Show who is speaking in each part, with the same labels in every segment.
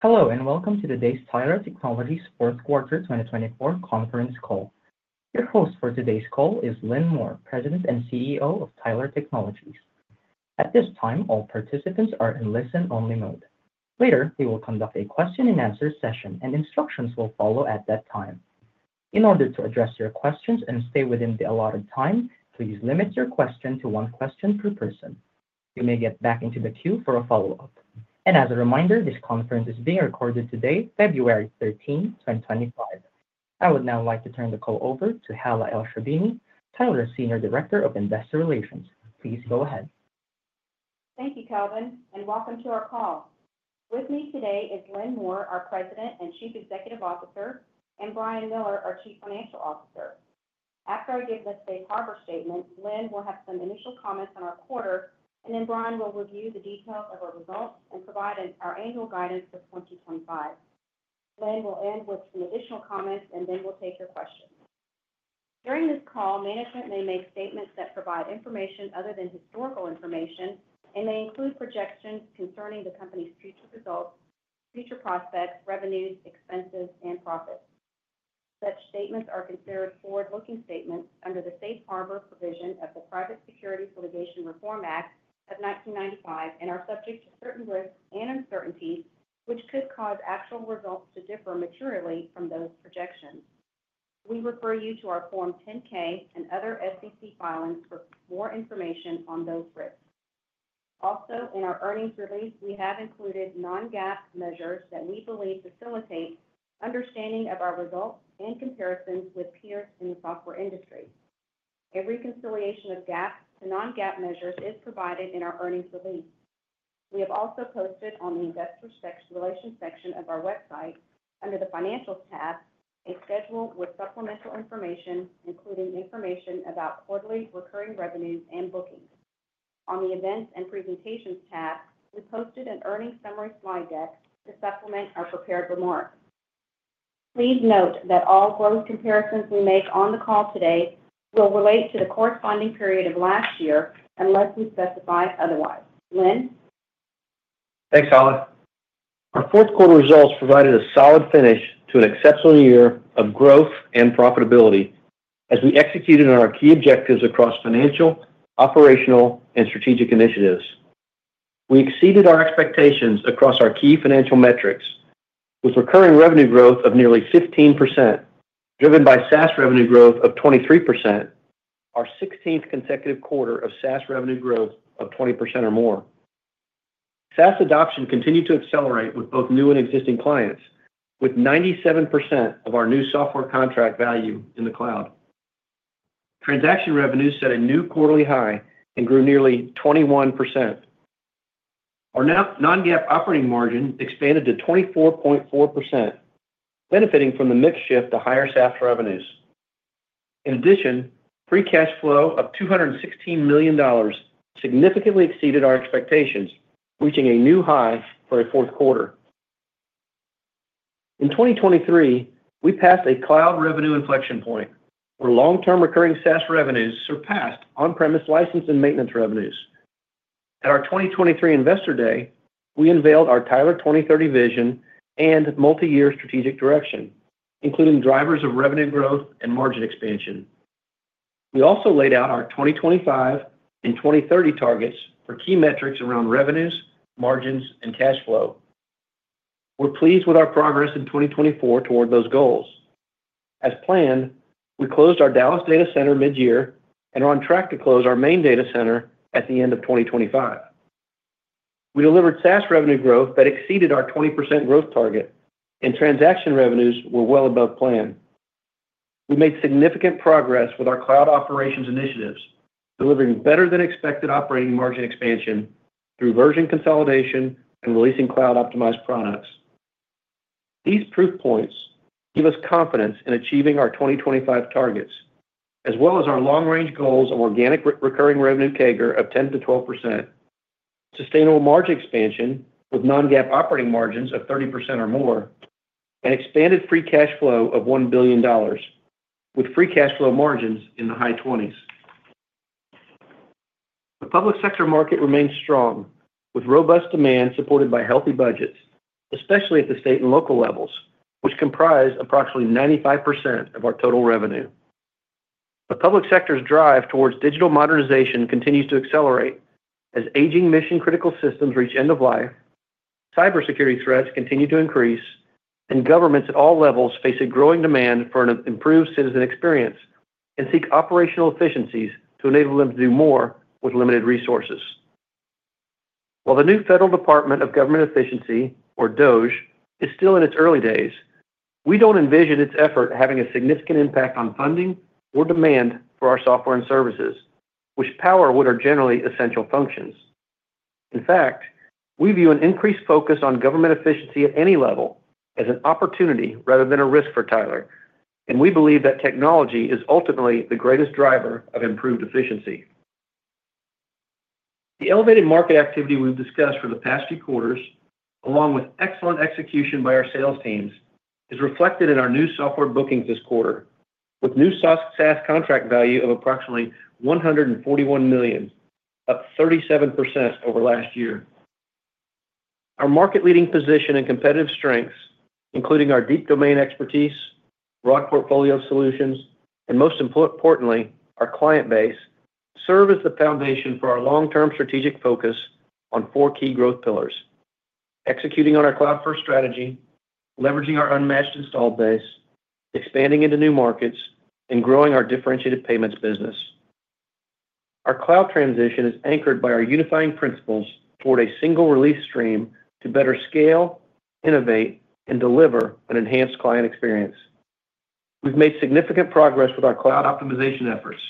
Speaker 1: Hello, and welcome to today's Tyler Technologies fourth quarter 2024 conference call. Your host for today's call is Lynn Moore, President and CEO of Tyler Technologies. At this time, all participants are in listen-only mode. Later, we will conduct a question-and-answer session, and instructions will follow at that time. In order to address your questions and stay within the allotted time, please limit your question to one question per person. You may get back into the queue for a follow-up. And as a reminder, this conference is being recorded today, February 13, 2025. I would now like to turn the call over to Hala Elsherbini, Tyler's Senior Director of Investor Relations. Please go ahead.
Speaker 2: Thank you, Kelvin, and welcome to our call. With me today is Lynn Moore, our President and Chief Executive Officer, and Brian Miller, our Chief Financial Officer. After I give the safe harbor statement, Lynn will have some initial comments on our quarter, and then Brian will review the details of our results and provide our annual guidance for 2025. Lynn will end with some additional comments, and then we'll take your questions. During this call, management may make statements that provide information other than historical information and may include projections concerning the company's future results, future prospects, revenues, expenses, and profits. Such statements are considered forward-looking statements under the safe harbor provision of the Private Securities Litigation Reform Act of 1995 and are subject to certain risks and uncertainties, which could cause actual results to differ materially from those projections. We refer you to our Form 10-K and other SEC filings for more information on those risks. Also, in our earnings release, we have included non-GAAP measures that we believe facilitate understanding of our results and comparisons with peers in the software industry. A reconciliation of GAAP to non-GAAP measures is provided in our earnings release. We have also posted on the Investor Relations section of our website, under the Financials tab, a schedule with supplemental information, including information about quarterly recurring revenues and bookings. On the Events and Presentations tab, we posted an earnings summary slide deck to supplement our prepared remarks. Please note that all growth comparisons we make on the call today will relate to the corresponding period of last year unless we specify otherwise. Lynn?
Speaker 3: Thanks, Hala. Our fourth quarter results provided a solid finish to an exceptional year of growth and profitability as we executed on our key objectives across financial, operational, and strategic initiatives. We exceeded our expectations across our key financial metrics, with recurring revenue growth of nearly 15%, driven by SaaS revenue growth of 23%, our 16th consecutive quarter of SaaS revenue growth of 20% or more. SaaS adoption continued to accelerate with both new and existing clients, with 97% of our new software contract value in the cloud. Transaction revenues set a new quarterly high and grew nearly 21%. Our non-GAAP operating margin expanded to 24.4%, benefiting from the mixed shift to higher SaaS revenues. In addition, free cash flow of $216 million significantly exceeded our expectations, reaching a new high for a fourth quarter. In 2023, we passed a cloud revenue inflection point where long-term recurring SaaS revenues surpassed on-premise license and maintenance revenues. At our 2023 Investor Day, we unveiled our Tyler 2030 vision and multi-year strategic direction, including drivers of revenue growth and margin expansion. We also laid out our 2025 and 2030 targets for key metrics around revenues, margins, and cash flow. We're pleased with our progress in 2024 toward those goals. As planned, we closed our Dallas data center mid-year and are on track to close our main data center at the end of 2025. We delivered SaaS revenue growth that exceeded our 20% growth target, and transaction revenues were well above plan. We made significant progress with our cloud operations initiatives, delivering better-than-expected operating margin expansion through version consolidation and releasing cloud-optimized products. These proof points give us confidence in achieving our 2025 targets, as well as our long-range goals of organic recurring revenue CAGR of 10%-12%, sustainable margin expansion with non-GAAP operating margins of 30% or more, and expanded free cash flow of $1 billion, with free cash flow margins in the high 20s. The public sector market remains strong, with robust demand supported by healthy budgets, especially at the state and local levels, which comprise approximately 95% of our total revenue. The public sector's drive towards digital modernization continues to accelerate as aging mission-critical systems reach end-of-life, cybersecurity threats continue to increase, and governments at all levels face a growing demand for an improved citizen experience and seek operational efficiencies to enable them to do more with limited resources. While the new Federal Department of Government Efficiency, or DOGE, is still in its early days, we don't envision its effort having a significant impact on funding or demand for our software and services, which power what are generally essential functions. In fact, we view an increased focus on government efficiency at any level as an opportunity rather than a risk for Tyler, and we believe that technology is ultimately the greatest driver of improved efficiency. The elevated market activity we've discussed for the past few quarters, along with excellent execution by our sales teams, is reflected in our new software bookings this quarter, with new SaaS contract value of approximately $141 million, up 37% over last year. Our market-leading position and competitive strengths, including our deep domain expertise, broad portfolio solutions, and most importantly, our client base, serve as the foundation for our long-term strategic focus on four key growth pillars: executing on our cloud-first strategy, leveraging our unmatched install base, expanding into new markets, and growing our differentiated payments business. Our cloud transition is anchored by our unifying principles toward a single release stream to better scale, innovate, and deliver an enhanced client experience. We've made significant progress with our cloud optimization efforts,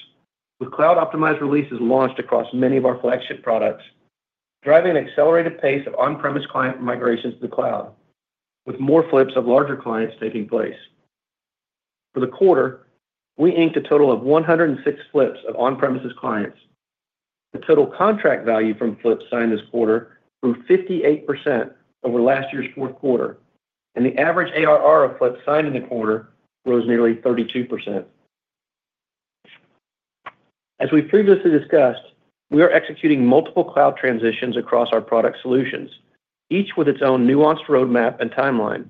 Speaker 3: with cloud-optimized releases launched across many of our flagship products, driving an accelerated pace of on-premises client migrations to the cloud, with more flips of larger clients taking place. For the quarter, we inked a total of 106 flips of on-premises clients. The total contract value from flips signed this quarter grew 58% over last year's fourth quarter, and the average ARR of flips signed in the quarter rose nearly 32%. As we previously discussed, we are executing multiple cloud transitions across our product solutions, each with its own nuanced roadmap and timeline.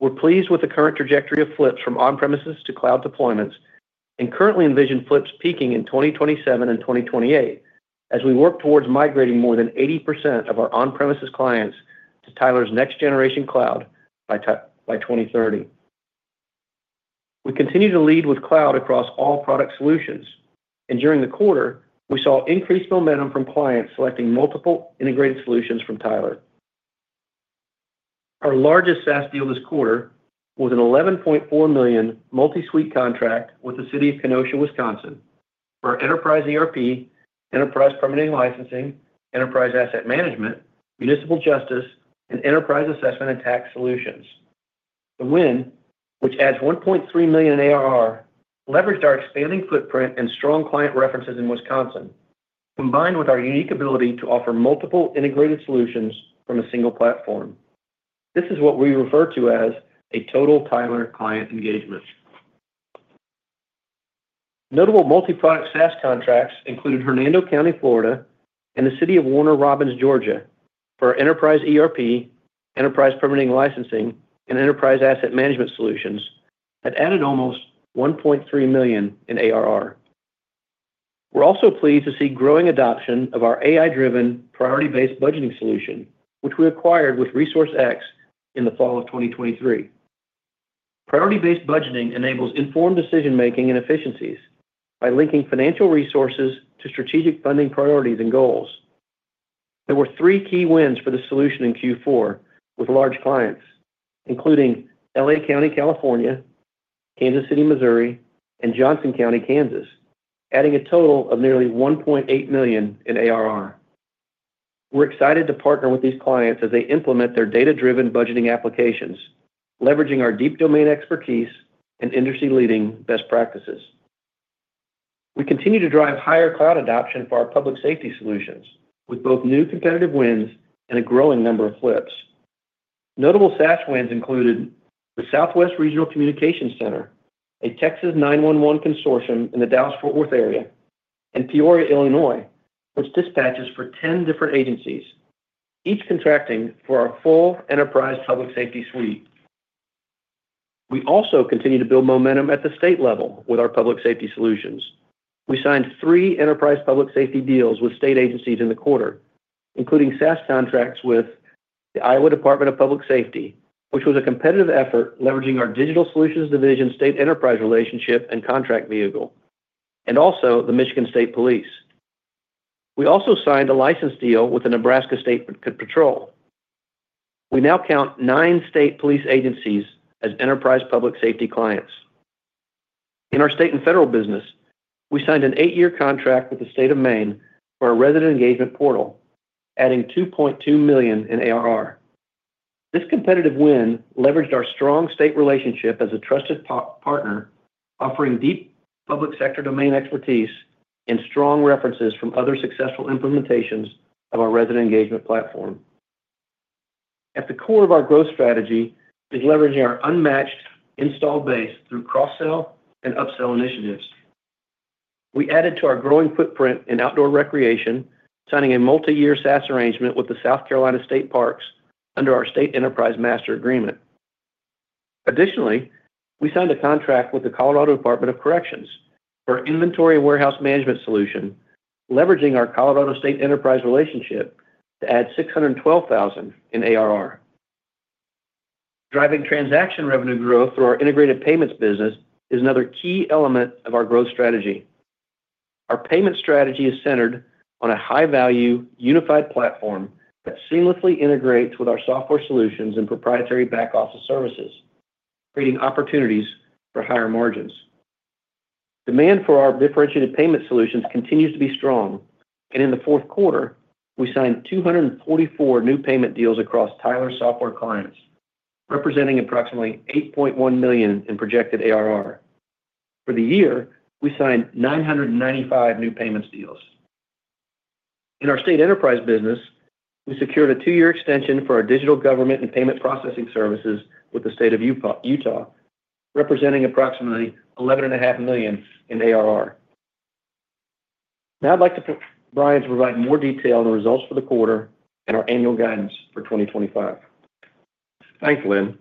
Speaker 3: We're pleased with the current trajectory of flips from on-premises to cloud deployments and currently envision flips peaking in 2027 and 2028 as we work towards migrating more than 80% of our on-premises clients to Tyler's next-generation cloud by 2030. We continue to lead with cloud across all product solutions, and during the quarter, we saw increased momentum from clients selecting multiple integrated solutions from Tyler. Our largest SaaS deal this quarter was an $11.4 million multi-suite contract with the City of Kenosha, Wisconsin, for our Enterprise ERP, Enterprise Permitting & Licensing, Enterprise Asset Management, Municipal Justice, and Enterprise Assessment & Tax solutions. The win, which adds $1.3 million in ARR, leveraged our expanding footprint and strong client references in Wisconsin, combined with our unique ability to offer multiple integrated solutions from a single platform. This is what we refer to as a total Tyler client engagement. Notable multi-product SaaS contracts included Hernando County, Florida, and the City of Warner Robins, Georgia, for our Enterprise ERP, Enterprise Permitting & Licensing, and Enterprise Asset Management solutions that added almost $1.3 million in ARR. We're also pleased to see growing adoption of our AI-driven, Priority Based Budgeting solution, which we acquired with ResourceX in the fall of 2023. Priority Based Budgeting enables informed decision-making and efficiencies by linking financial resources to strategic funding priorities and goals. There were three key wins for the solution in Q4 with large clients, including LA County, California, Kansas City, Missouri, and Johnson County, Kansas, adding a total of nearly $1.8 million in ARR. We're excited to partner with these clients as they implement their data-driven budgeting applications, leveraging our deep domain expertise and industry-leading best practices. We continue to drive higher cloud adoption for our public safety solutions with both new competitive wins and a growing number of flips. Notable SaaS wins included the Southwest Regional Communications Center, a Texas 911 consortium in the Dallas-Fort Worth area, and Peoria, Illinois, which dispatches for 10 different agencies, each contracting for our full Enterprise Public Safety suite. We also continue to build momentum at the state level with our public safety solutions. We signed three Enterprise Public Safety deals with state agencies in the quarter, including SaaS contracts with the Iowa Department of Public Safety, which was a competitive effort leveraging our Digital Solutions Division, state enterprise relationship, and contract vehicle, and also the Michigan State Police. We also signed a license deal with the Nebraska State Patrol. We now count nine state police agencies as Enterprise Public Safety clients. In our state and federal business, we signed an eight-year contract with the State of Maine for a resident engagement portal, adding $2.2 million in ARR. This competitive win leveraged our strong state relationship as a trusted partner, offering deep public sector domain expertise and strong references from other successful implementations of our resident engagement platform. At the core of our growth strategy is leveraging our unmatched install base through cross-sell and upsell initiatives. We added to our growing footprint in outdoor recreation, signing a multi-year SaaS arrangement with the South Carolina State Parks under our state enterprise master agreement. Additionally, we signed a contract with the Colorado Department of Corrections for an inventory warehouse management solution, leveraging our Colorado state enterprise relationship to add $612,000 in ARR. Driving transaction revenue growth through our integrated payments business is another key element of our growth strategy. Our payment strategy is centered on a high-value unified platform that seamlessly integrates with our software solutions and proprietary back-office services, creating opportunities for higher margins. Demand for our differentiated payment solutions continues to be strong, and in the fourth quarter, we signed 244 new payment deals across Tyler software clients, representing approximately $8.1 million in projected ARR. For the year, we signed 995 new payments deals. In our state enterprise business, we secured a two-year extension for our digital government and payment processing services with the State of Utah, representing approximately $11.5 million in ARR. Now I'd like to put Brian to provide more detail on the results for the quarter and our annual guidance for 2025.
Speaker 4: Thanks, Lynn.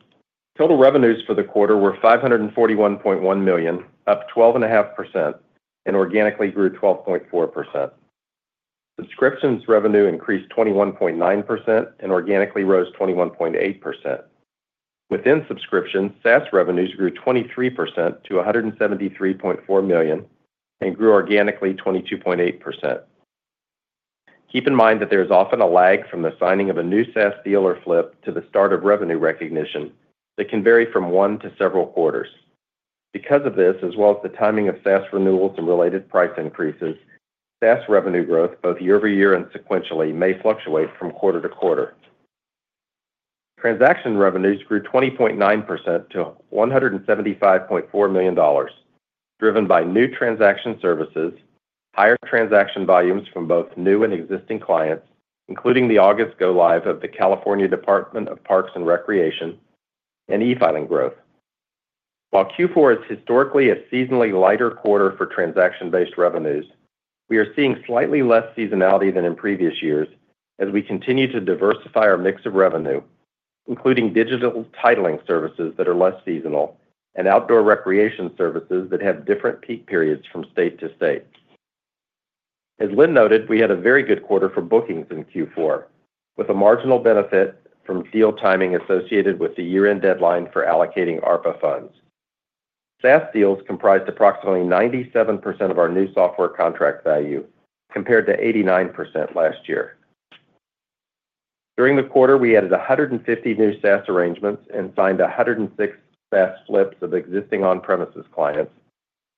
Speaker 4: Total revenues for the quarter were $541.1 million, up 12.5%, and organically grew 12.4%. Subscriptions revenue increased 21.9% and organically rose 21.8%. Within subscriptions, SaaS revenues grew 23% to $173.4 million and grew organically 22.8%. Keep in mind that there is often a lag from the signing of a new SaaS deal or flip to the start of revenue recognition that can vary from one to several quarters. Because of this, as well as the timing of SaaS renewals and related price increases, SaaS revenue growth, both year-over-year and sequentially, may fluctuate from quarter to quarter. Transaction revenues grew 20.9% to $175.4 million, driven by new transaction services, higher transaction volumes from both new and existing clients, including the August go-live of the California Department of Parks and Recreation, and e-filing growth. While Q4 is historically a seasonally lighter quarter for transaction-based revenues, we are seeing slightly less seasonality than in previous years as we continue to diversify our mix of revenue, including digital titling services that are less seasonal and outdoor recreation services that have different peak periods from state to state. As Lynn noted, we had a very good quarter for bookings in Q4, with a marginal benefit from deal timing associated with the year-end deadline for allocating ARPA funds. SaaS deals comprised approximately 97% of our new software contract value, compared to 89% last year. During the quarter, we added 150 new SaaS arrangements and signed 106 SaaS flips of existing on-premises clients,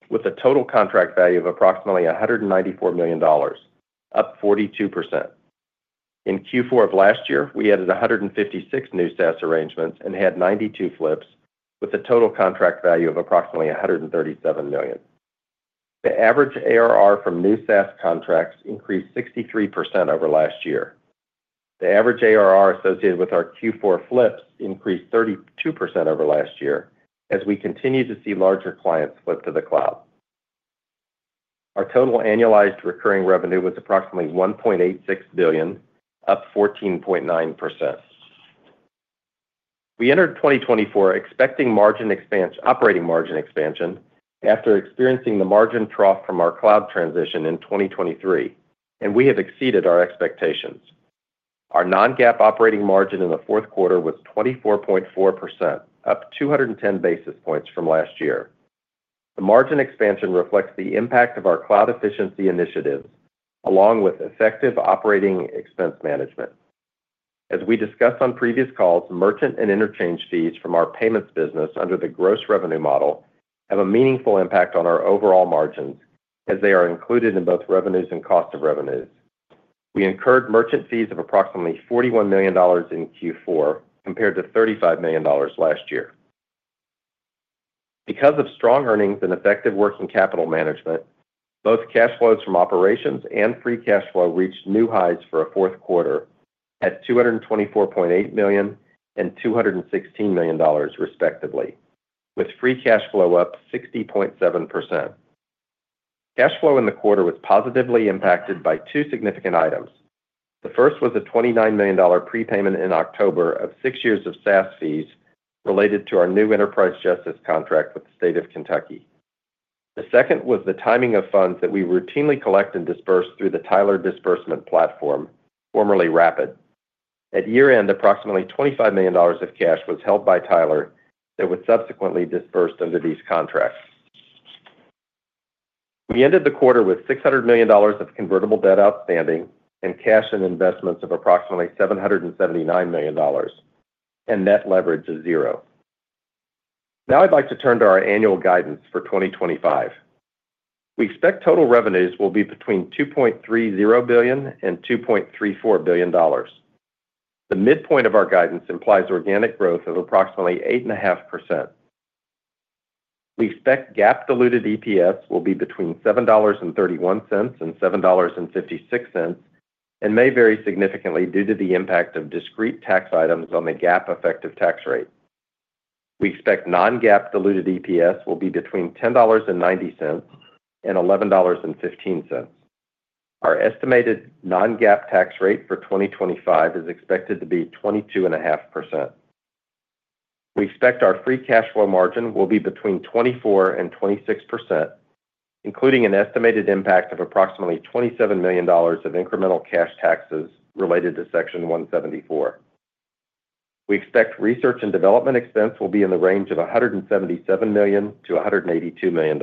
Speaker 4: with a total contract value of approximately $194 million, up 42%. In Q4 of last year, we added 156 new SaaS arrangements and had 92 flips, with a total contract value of approximately $137 million. The average ARR from new SaaS contracts increased 63% over last year. The average ARR associated with our Q4 flips increased 32% over last year as we continue to see larger clients flip to the cloud. Our total annualized recurring revenue was approximately $1.86 billion, up 14.9%. We entered 2024 expecting operating margin expansion after experiencing the margin trough from our cloud transition in 2023, and we have exceeded our expectations. Our non-GAAP operating margin in the fourth quarter was 24.4%, up 210 basis points from last year. The margin expansion reflects the impact of our cloud efficiency initiatives, along with effective operating expense management. As we discussed on previous calls, merchant and interchange fees from our payments business under the gross revenue model have a meaningful impact on our overall margins as they are included in both revenues and cost of revenues. We incurred merchant fees of approximately $41 million in Q4, compared to $35 million last year. Because of strong earnings and effective working capital management, both cash flows from operations and free cash flow reached new highs for a fourth quarter at $224.8 million and $216 million, respectively, with free cash flow up 60.7%. Cash flow in the quarter was positively impacted by two significant items. The first was a $29 million prepayment in October of six years of SaaS fees related to our new Enterprise Justice contract with the State of Kentucky. The second was the timing of funds that we routinely collect and disburse through the Tyler Disbursement Platform, formerly Rapid. At year-end, approximately $25 million of cash was held by Tyler that was subsequently disbursed under these contracts. We ended the quarter with $600 million of convertible debt outstanding and cash and investments of approximately $779 million, and net leverage of zero. Now I'd like to turn to our annual guidance for 2025. We expect total revenues will be between $2.30 billion and $2.34 billion. The midpoint of our guidance implies organic growth of approximately 8.5%. We expect GAAP-diluted EPS will be between $7.31 and $7.56 and may vary significantly due to the impact of discrete tax items on the GAAP-effective tax rate. We expect non-GAAP-diluted EPS will be between $10.90 and $11.15. Our estimated non-GAAP tax rate for 2025 is expected to be 22.5%. We expect our free cash flow margin will be between 24% and 26%, including an estimated impact of approximately $27 million of incremental cash taxes related to Section 174. We expect research and development expense will be in the range of $177 million to $182 million.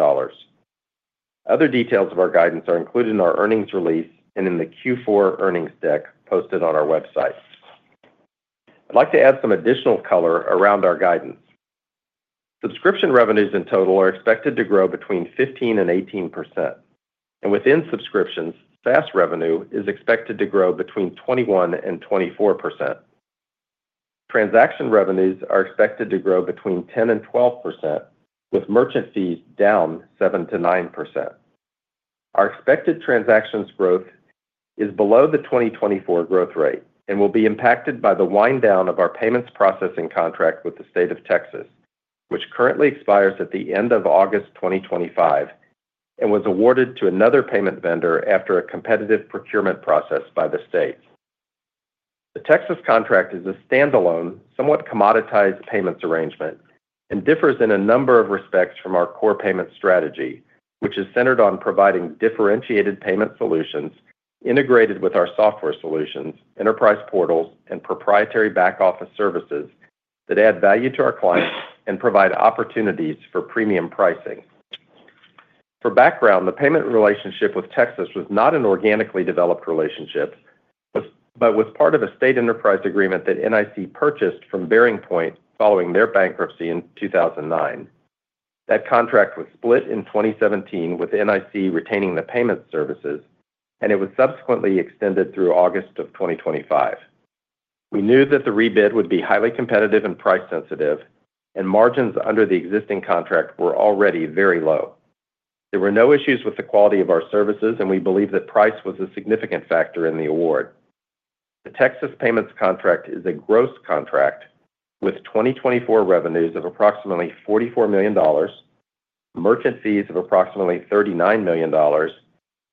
Speaker 4: Other details of our guidance are included in our earnings release and in the Q4 earnings deck posted on our website. I'd like to add some additional color around our guidance. Subscription revenues in total are expected to grow between 15% and 18%, and within subscriptions, SaaS revenue is expected to grow between 21% and 24%. Transaction revenues are expected to grow between 10% and 12%, with merchant fees down 7% to 9%. Our expected transactions growth is below the 2024 growth rate and will be impacted by the wind-down of our payments processing contract with the State of Texas, which currently expires at the end of August 2025 and was awarded to another payment vendor after a competitive procurement process by the state. The Texas contract is a standalone, somewhat commoditized payments arrangement and differs in a number of respects from our core payments strategy, which is centered on providing differentiated payment solutions integrated with our software solutions, enterprise portals, and proprietary back-office services that add value to our clients and provide opportunities for premium pricing. For background, the payment relationship with Texas was not an organically developed relationship but was part of a state enterprise agreement that NIC purchased from BearingPoint following their bankruptcy in 2009. That contract was split in 2017 with NIC retaining the payment services, and it was subsequently extended through August of 2025. We knew that the rebid would be highly competitive and price-sensitive, and margins under the existing contract were already very low. There were no issues with the quality of our services, and we believe that price was a significant factor in the award. The Texas payments contract is a gross contract with 2024 revenues of approximately $44 million, merchant fees of approximately $39 million,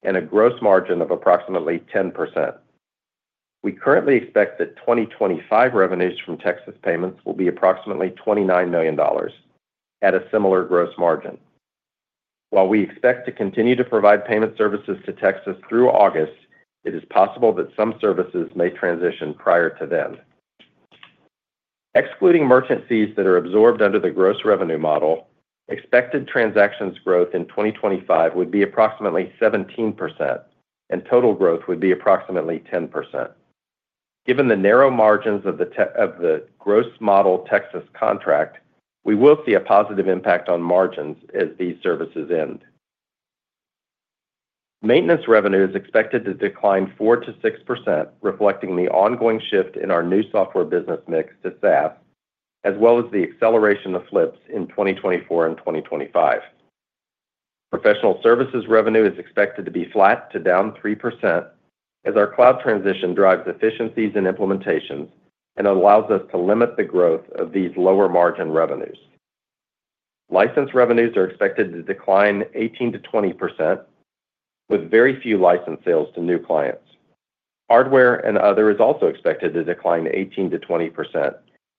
Speaker 4: and a gross margin of approximately 10%. We currently expect that 2025 revenues from Texas payments will be approximately $29 million at a similar gross margin. While we expect to continue to provide payment services to Texas through August, it is possible that some services may transition prior to then. Excluding merchant fees that are absorbed under the gross revenue model, expected transactions growth in 2025 would be approximately 17%, and total growth would be approximately 10%. Given the narrow margins of the gross model Texas contract, we will see a positive impact on margins as these services end. Maintenance revenue is expected to decline 4%-6%, reflecting the ongoing shift in our new software business mix to SaaS, as well as the acceleration of flips in 2024 and 2025. Professional services revenue is expected to be flat to down 3% as our cloud transition drives efficiencies and implementations and allows us to limit the growth of these lower margin revenues. License revenues are expected to decline 18%-20%, with very few license sales to new clients. Hardware and other is also expected to decline 18%-20%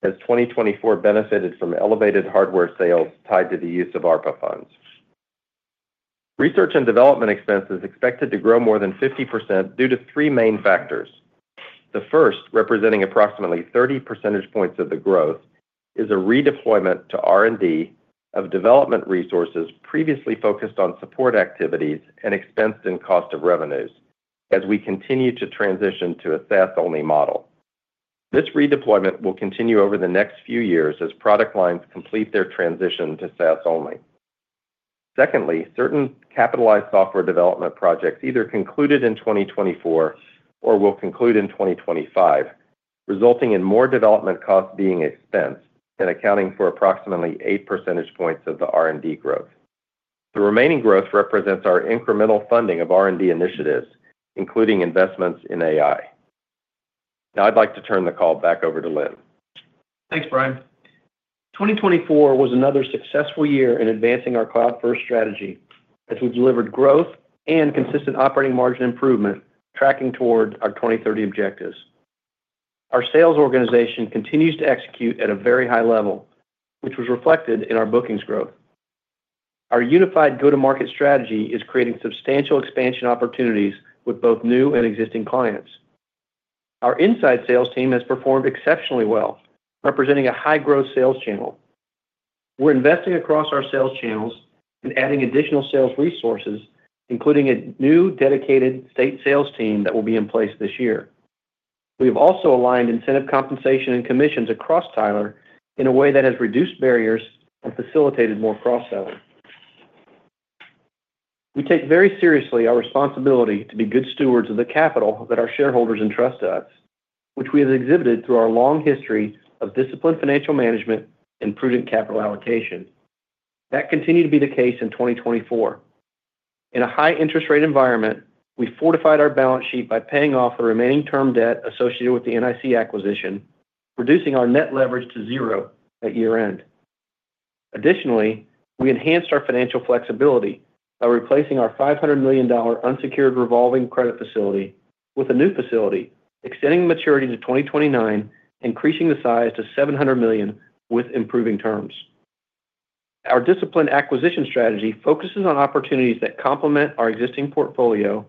Speaker 4: as 2024 benefited from elevated hardware sales tied to the use of ARPA funds. Research and development expenses are expected to grow more than 50% due to three main factors. The first, representing approximately 30 percentage points of the growth, is a redeployment to R&D of development resources previously focused on support activities and expensed in cost of revenues as we continue to transition to a SaaS-only model. This redeployment will continue over the next few years as product lines complete their transition to SaaS-only. Secondly, certain capitalized software development projects either concluded in 2024 or will conclude in 2025, resulting in more development costs being expensed and accounting for approximately 8 percentage points of the R&D growth. The remaining growth represents our incremental funding of R&D initiatives, including investments in AI. Now I'd like to turn the call back over to Lynn.
Speaker 3: Thanks, Brian. 2024 was another successful year in advancing our cloud-first strategy as we delivered growth and consistent operating margin improvement tracking toward our 2030 objectives. Our sales organization continues to execute at a very high level, which was reflected in our bookings growth. Our unified go-to-market strategy is creating substantial expansion opportunities with both new and existing clients. Our inside sales team has performed exceptionally well, representing a high-growth sales channel. We're investing across our sales channels and adding additional sales resources, including a new dedicated state sales team that will be in place this year. We have also aligned incentive compensation and commissions across Tyler in a way that has reduced barriers and facilitated more cross-selling. We take very seriously our responsibility to be good stewards of the capital that our shareholders entrust to us, which we have exhibited through our long history of disciplined financial management and prudent capital allocation. That continued to be the case in 2024. In a high-interest rate environment, we fortified our balance sheet by paying off the remaining term debt associated with the NIC acquisition, reducing our net leverage to zero at year-end. Additionally, we enhanced our financial flexibility by replacing our $500 million unsecured revolving credit facility with a new facility, extending maturity to 2029, increasing the size to $700 million with improving terms. Our disciplined acquisition strategy focuses on opportunities that complement our existing portfolio,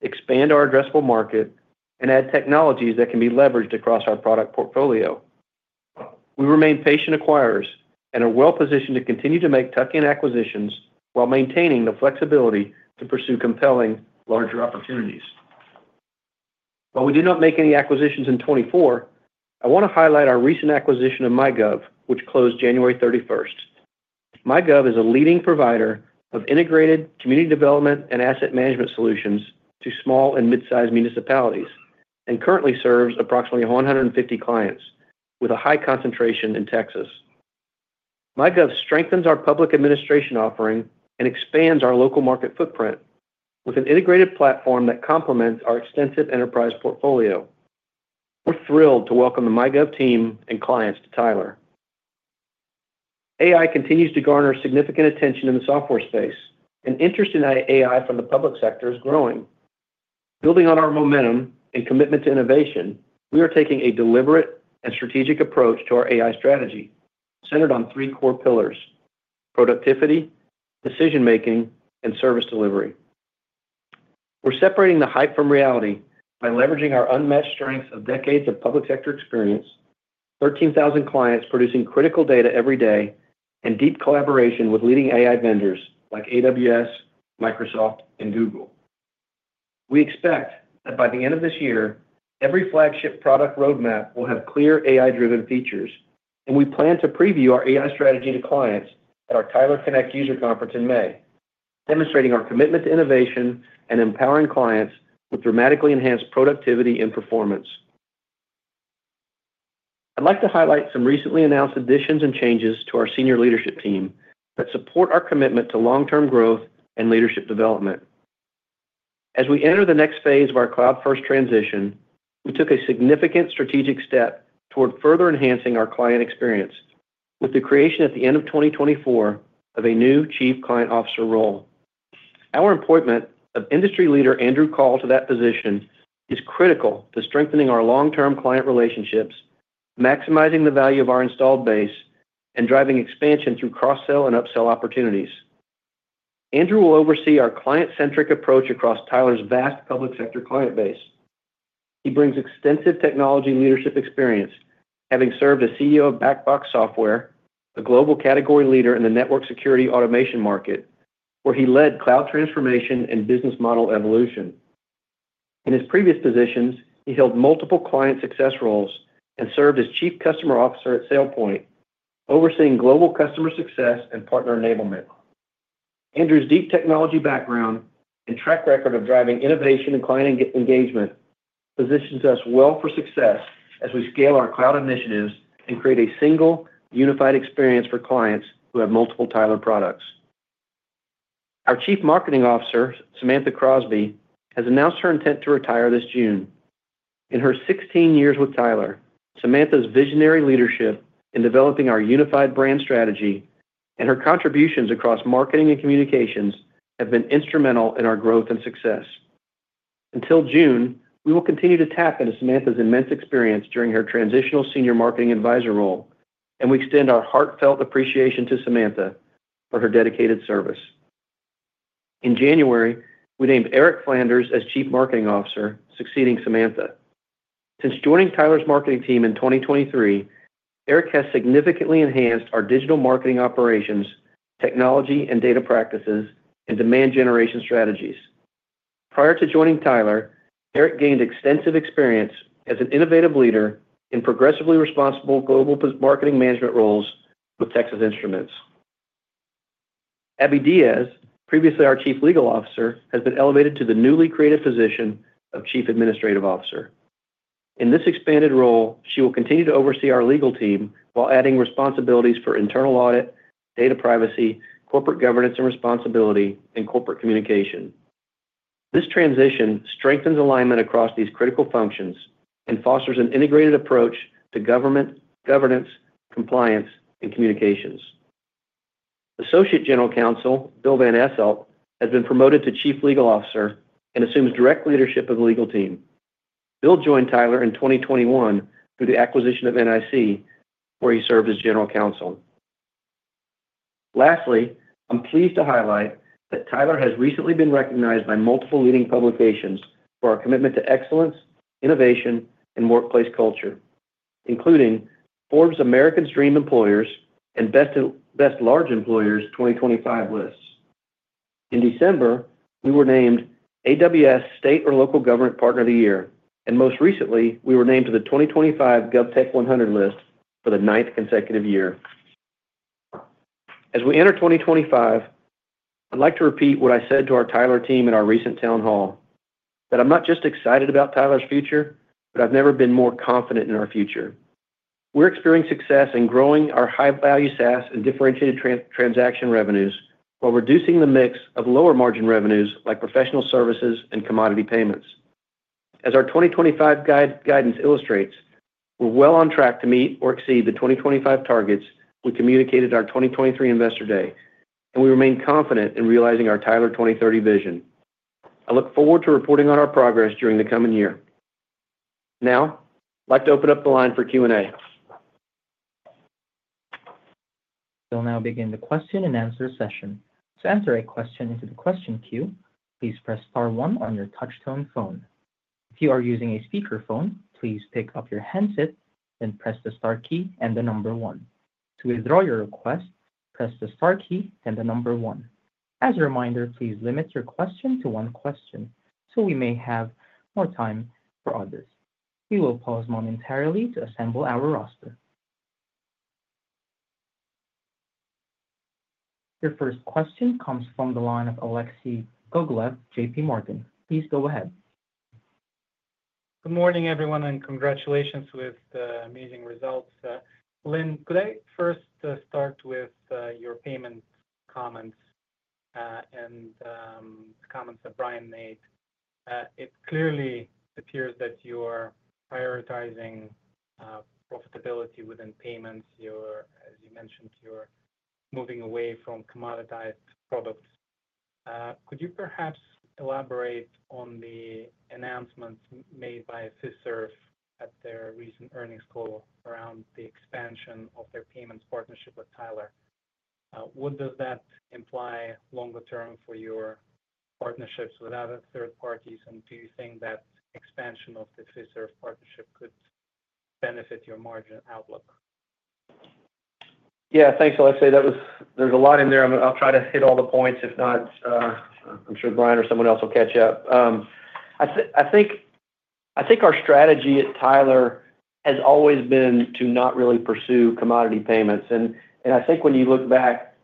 Speaker 3: expand our addressable market, and add technologies that can be leveraged across our product portfolio. We remain patient acquirers and are well-positioned to continue to make tuck-in acquisitions while maintaining the flexibility to pursue compelling larger opportunities. While we did not make any acquisitions in 2024, I want to highlight our recent acquisition of MyGov, which closed January 31st. MyGov is a leading provider of integrated community development and asset management solutions to small and mid-sized municipalities and currently serves approximately 150 clients with a high concentration in Texas. MyGov strengthens our public administration offering and expands our local market footprint with an integrated platform that complements our extensive enterprise portfolio. We're thrilled to welcome the MyGov team and clients to Tyler. AI continues to garner significant attention in the software space, and interest in AI from the public sector is growing. Building on our momentum and commitment to innovation, we are taking a deliberate and strategic approach to our AI strategy centered on three core pillars: productivity, decision-making, and service delivery. We're separating the hype from reality by leveraging our unmatched strengths of decades of public sector experience, 13,000 clients producing critical data every day, and deep collaboration with leading AI vendors like AWS, Microsoft, and Google. We expect that by the end of this year, every flagship product roadmap will have clear AI-driven features, and we plan to preview our AI strategy to clients at our Tyler Connect user conference in May, demonstrating our commitment to innovation and empowering clients with dramatically enhanced productivity and performance. I'd like to highlight some recently announced additions and changes to our senior leadership team that support our commitment to long-term growth and leadership development. As we enter the next phase of our cloud-first transition, we took a significant strategic step toward further enhancing our client experience with the creation at the end of 2024 of a new chief client officer role. Our appointment of industry leader Andrew Kahl to that position is critical to strengthening our long-term client relationships, maximizing the value of our installed base, and driving expansion through cross-sell and upsell opportunities. Andrew will oversee our client-centric approach across Tyler's vast public sector client base. He brings extensive technology leadership experience, having served as CEO of BackBox Software, a global category leader in the network security automation market, where he led cloud transformation and business model evolution. In his previous positions, he held multiple client success roles and served as chief customer officer at SailPoint, overseeing global customer success and partner enablement. Andrew's deep technology background and track record of driving innovation and client engagement positions us well for success as we scale our cloud initiatives and create a single unified experience for clients who have multiple Tyler products. Our Chief Marketing Officer, Samantha Crosby, has announced her intent to retire this June. In her 16 years with Tyler, Samantha's visionary leadership in developing our unified brand strategy and her contributions across marketing and communications have been instrumental in our growth and success. Until June, we will continue to tap into Samantha's immense experience during her transitional senior marketing advisor role, and we extend our heartfelt appreciation to Samantha for her dedicated service. In January, we named Arik Flanders as Chief Marketing Officer, succeeding Samantha. Since joining Tyler's marketing team in 2023, Arik has significantly enhanced our digital marketing operations, technology and data practices, and demand generation strategies. Prior to joining Tyler, Arik gained extensive experience as an innovative leader in progressively responsible global marketing management roles with Texas Instruments. Abby Diaz, previously our Chief Legal Officer, has been elevated to the newly created position of Chief Administrative Officer. In this expanded role, she will continue to oversee our legal team while adding responsibilities for internal audit, data privacy, corporate governance and responsibility, and corporate communication. This transition strengthens alignment across these critical functions and fosters an integrated approach to government, governance, compliance, and communications. Associate General Counsel Bill Van Asselt has been promoted to Chief Legal Officer and assumes direct leadership of the legal team. Bill joined Tyler in 2021 through the acquisition of NIC, where he served as general counsel. Lastly, I'm pleased to highlight that Tyler has recently been recognized by multiple leading publications for our commitment to excellence, innovation, and workplace culture, including Forbes' American Dream Employers and Best Large Employers 2025 lists. In December, we were named AWS State or Local Government Partner of the Year, and most recently, we were named to the 2025 GovTech 100 list for the ninth consecutive year. As we enter 2025, I'd like to repeat what I said to our Tyler team in our recent town hall, that I'm not just excited about Tyler's future, but I've never been more confident in our future. We're experiencing success in growing our high-value SaaS and differentiated transaction revenues while reducing the mix of lower margin revenues like professional services and commodity payments. As our 2025 guidance illustrates, we're well on track to meet or exceed the 2025 targets we communicated at our 2023 Investor Day, and we remain confident in realizing our Tyler 2030 vision. I look forward to reporting on our progress during the coming year. Now, I'd like to open up the line for Q&A.
Speaker 1: We'll now begin the question and answer session. To enter a question into the question queue, please press star one on your touch-tone phone. If you are using a speakerphone, please pick up your handset, then press the star key and the number one. To withdraw your request, press the star key and the number one. As a reminder, please limit your question to one question so we may have more time for others. We will pause momentarily to assemble our roster. Your first question comes from the line of Alexei Gogolev, JPMorgan. Please go ahead.
Speaker 5: Good morning, everyone, and congratulations with the amazing results. Lynn, could I first start with your payment comments and the comments that Brian made? It clearly appears that you are prioritizing profitability within payments. As you mentioned, you're moving away from commoditized products. Could you perhaps elaborate on the announcements made by Fiserv at their recent earnings call around the expansion of their payments partnership with Tyler? What does that imply longer term for your partnerships with other third parties? And do you think that expansion of the Fiserv partnership could benefit your margin outlook?
Speaker 3: Yeah, thanks, Alexei. There's a lot in there. I'll try to hit all the points. If not, I'm sure Brian or someone else will catch up. I think our strategy at Tyler has always been to not really pursue commodity payments. And I think when you look back,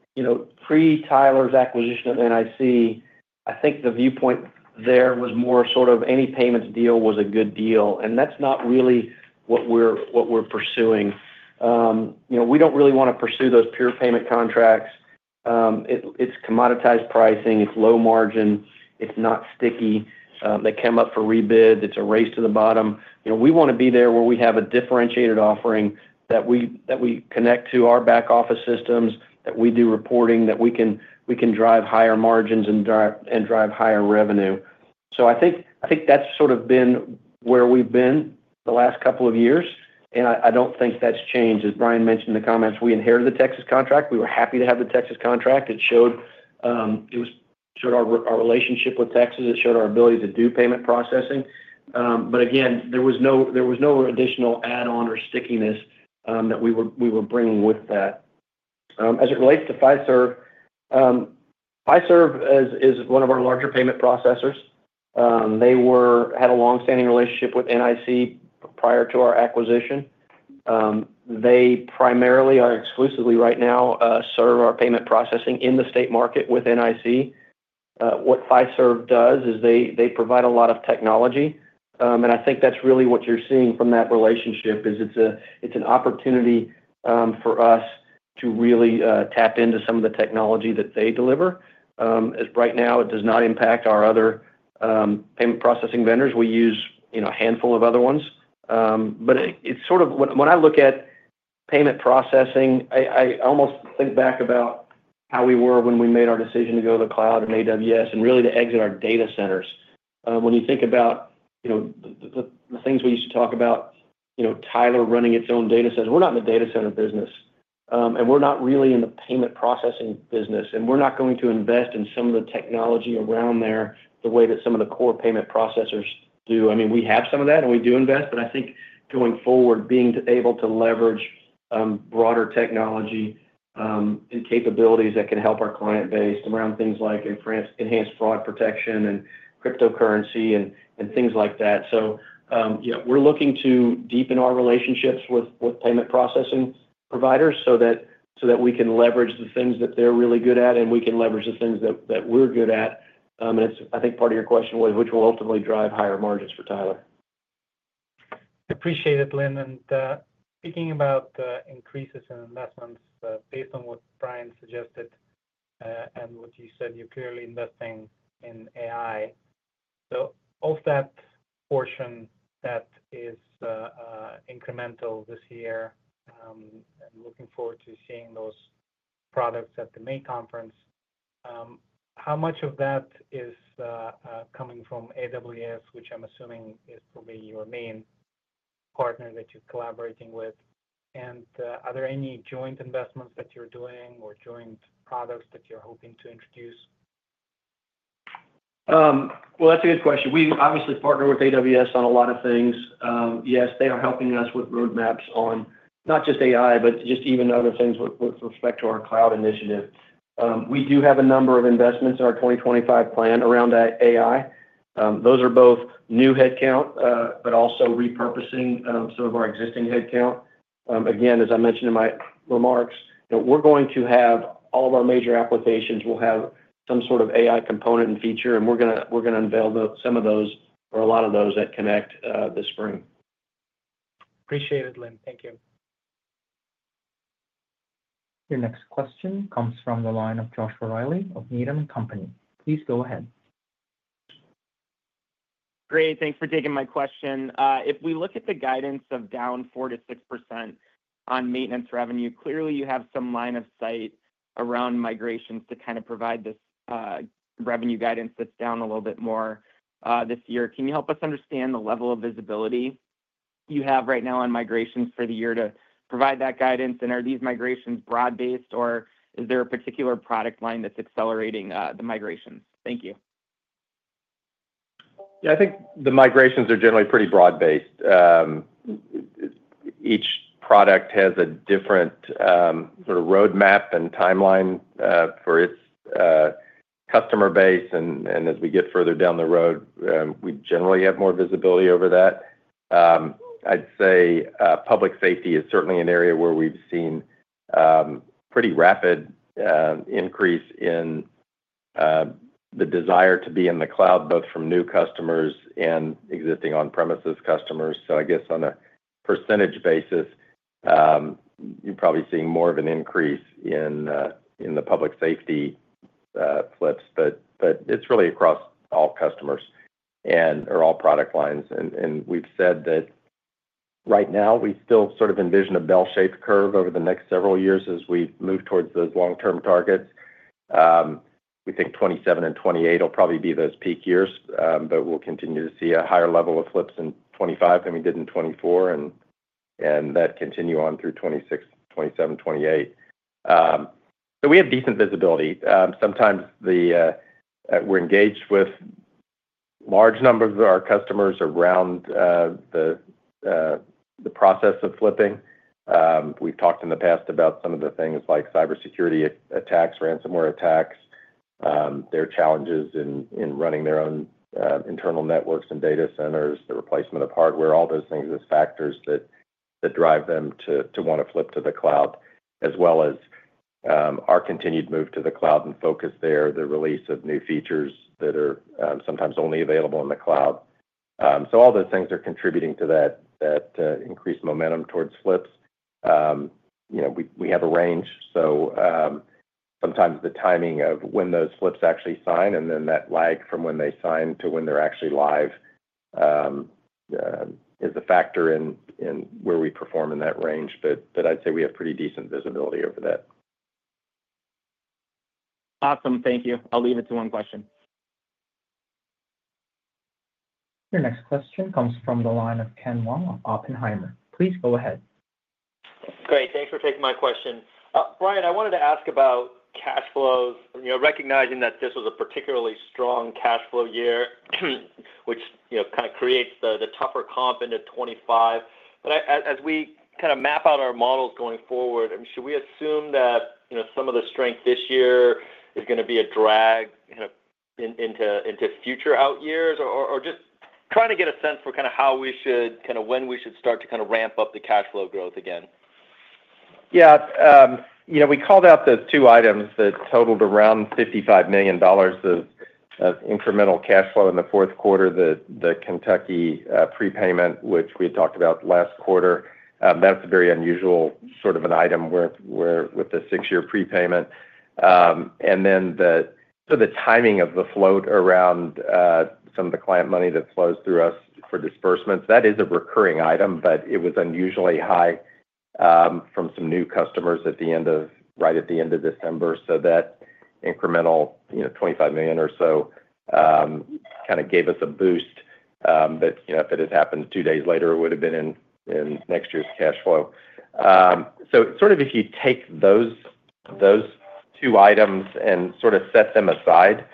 Speaker 3: pre-Tyler's acquisition of NIC, I think the viewpoint there was more sort of any payments deal was a good deal. And that's not really what we're pursuing. We don't really want to pursue those pure payment contracts. It's commoditized pricing. It's low margin. It's not sticky. They come up for rebid. It's a race to the bottom. We want to be there where we have a differentiated offering that we connect to our back office systems, that we do reporting, that we can drive higher margins and drive higher revenue. So I think that's sort of been where we've been the last couple of years. And I don't think that's changed. As Brian mentioned in the comments, we inherited the Texas contract. We were happy to have the Texas contract. It showed our relationship with Texas. It showed our ability to do payment processing. But again, there was no additional add-on or stickiness that we were bringing with that. As it relates to Fiserv, Fiserv is one of our larger payment processors. They had a long-standing relationship with NIC prior to our acquisition. They primarily, or exclusively right now, serve our payment processing in the state market with NIC. What Fiserv does is they provide a lot of technology. And I think that's really what you're seeing from that relationship, is it's an opportunity for us to really tap into some of the technology that they deliver. Right now, it does not impact our other payment processing vendors. We use a handful of other ones. But when I look at payment processing, I almost think back about how we were when we made our decision to go to the cloud and AWS and really to exit our data centers. When you think about the things we used to talk about, Tyler running its own data centers, we're not in the data center business. And we're not really in the payment processing business. And we're not going to invest in some of the technology around there the way that some of the core payment processors do. I mean, we have some of that, and we do invest. But I think going forward, being able to leverage broader technology and capabilities that can help our client base around things like enhanced fraud protection and cryptocurrency and things like that. So we're looking to deepen our relationships with payment processing providers so that we can leverage the things that they're really good at, and we can leverage the things that we're good at. And I think part of your question was, which will ultimately drive higher margins for Tyler.
Speaker 5: I appreciate it, Lynn. And speaking about the increases in investments, based on what Brian suggested and what you said, you're clearly investing in AI. So of that portion that is incremental this year, and looking forward to seeing those products at the May conference, how much of that is coming from AWS, which I'm assuming is probably your main partner that you're collaborating with? And are there any joint investments that you're doing or joint products that you're hoping to introduce?
Speaker 3: Well, that's a good question. We obviously partner with AWS on a lot of things. Yes, they are helping us with roadmaps on not just AI, but just even other things with respect to our cloud initiative. We do have a number of investments in our 2025 plan around AI. Those are both new headcount, but also repurposing some of our existing headcount. Again, as I mentioned in my remarks, we're going to have all of our major applications. We'll have some sort of AI component and feature, and we're going to unveil some of those or a lot of those at Connect this spring.
Speaker 5: Appreciate it, Lynn. Thank you.
Speaker 1: Your next question comes from the line of Joshua Reilly of Needham & Company. Please go ahead.
Speaker 6: Great. Thanks for taking my question. If we look at the guidance of down 4%-6% on maintenance revenue, clearly you have some line of sight around migrations to kind of provide this revenue guidance that's down a little bit more this year. Can you help us understand the level of visibility you have right now on migrations for the year to provide that guidance? And are these migrations broad-based, or is there a particular product line that's accelerating the migrations? Thank you.
Speaker 4: Yeah, I think the migrations are generally pretty broad-based. Each product has a different sort of roadmap and timeline for its customer base. And as we get further down the road, we generally have more visibility over that. I'd say public safety is certainly an area where we've seen pretty rapid increase in the desire to be in the cloud, both from new customers and existing on-premises customers. So I guess on a percentage basis, you're probably seeing more of an increase in the public safety flips. But it's really across all customers and/or all product lines. And we've said that right now, we still sort of envision a bell-shaped curve over the next several years as we move towards those long-term targets. We think 2027 and 2028 will probably be those peak years, but we'll continue to see a higher level of flips in 2025 than we did in 2024, and that continue on through 2026, 2027, 2028. So we have decent visibility. Sometimes we're engaged with large numbers of our customers around the process of flipping. We've talked in the past about some of the things like cybersecurity attacks, ransomware attacks, their challenges in running their own internal networks and data centers, the replacement of hardware, all those things as factors that drive them to want to flip to the cloud, as well as our continued move to the cloud and focus there, the release of new features that are sometimes only available in the cloud. So all those things are contributing to that increased momentum towards flips. We have a range. So sometimes the timing of when those flips actually sign and then that lag from when they sign to when they're actually live is a factor in where we perform in that range. But I'd say we have pretty decent visibility over that.
Speaker 6: Awesome. Thank you. I'll leave it to one question.
Speaker 1: Your next question comes from the line of Ken Wong of Oppenheimer. Please go ahead.
Speaker 7: Great. Thanks for taking my question. Brian, I wanted to ask about cash flows, recognizing that this was a particularly strong cash flow year, which kind of creates the tougher comp into 2025. But as we kind of map out our models going forward, should we assume that some of the strength this year is going to be a drag into future out years? Or just trying to get a sense for kind of how we should, kind of when we should start to kind of ramp up the cash flow growth again.
Speaker 4: Yeah. We called out those two items that totaled around $55 million of incremental cash flow in the fourth quarter, the Kentucky prepayment, which we had talked about last quarter. That's a very unusual sort of an item with the six-year prepayment. And then the timing of the float around some of the client money that flows through us for disbursements, that is a recurring item, but it was unusually high from some new customers right at the end of December. So that incremental $25 million or so kind of gave us a boost. But if it had happened two days later, it would have been in next year's cash flow. So sort of if you take those two items and sort of set them aside,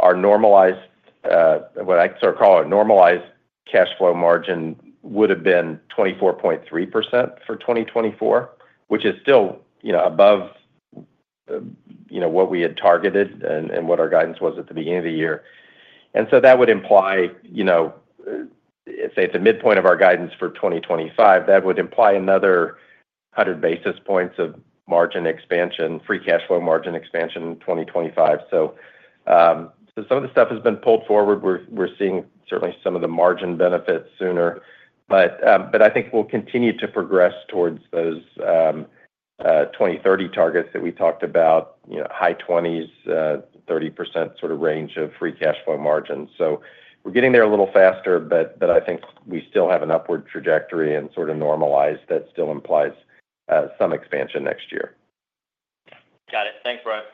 Speaker 4: our normalized, what I sort of call a normalized cash flow margin would have been 24.3% for 2024, which is still above what we had targeted and what our guidance was at the beginning of the year. And so that would imply, say, at the midpoint of our guidance for 2025, that would imply another 100 basis points of margin expansion, free cash flow margin expansion in 2025. So some of the stuff has been pulled forward. We're seeing certainly some of the margin benefits sooner. But I think we'll continue to progress towards those 2030 targets that we talked about, high 20s, 30% sort of range of free cash flow margins. So we're getting there a little faster, but I think we still have an upward trajectory and sort of normalized. That still implies some expansion next year.
Speaker 7: Got it. Thanks, Brian.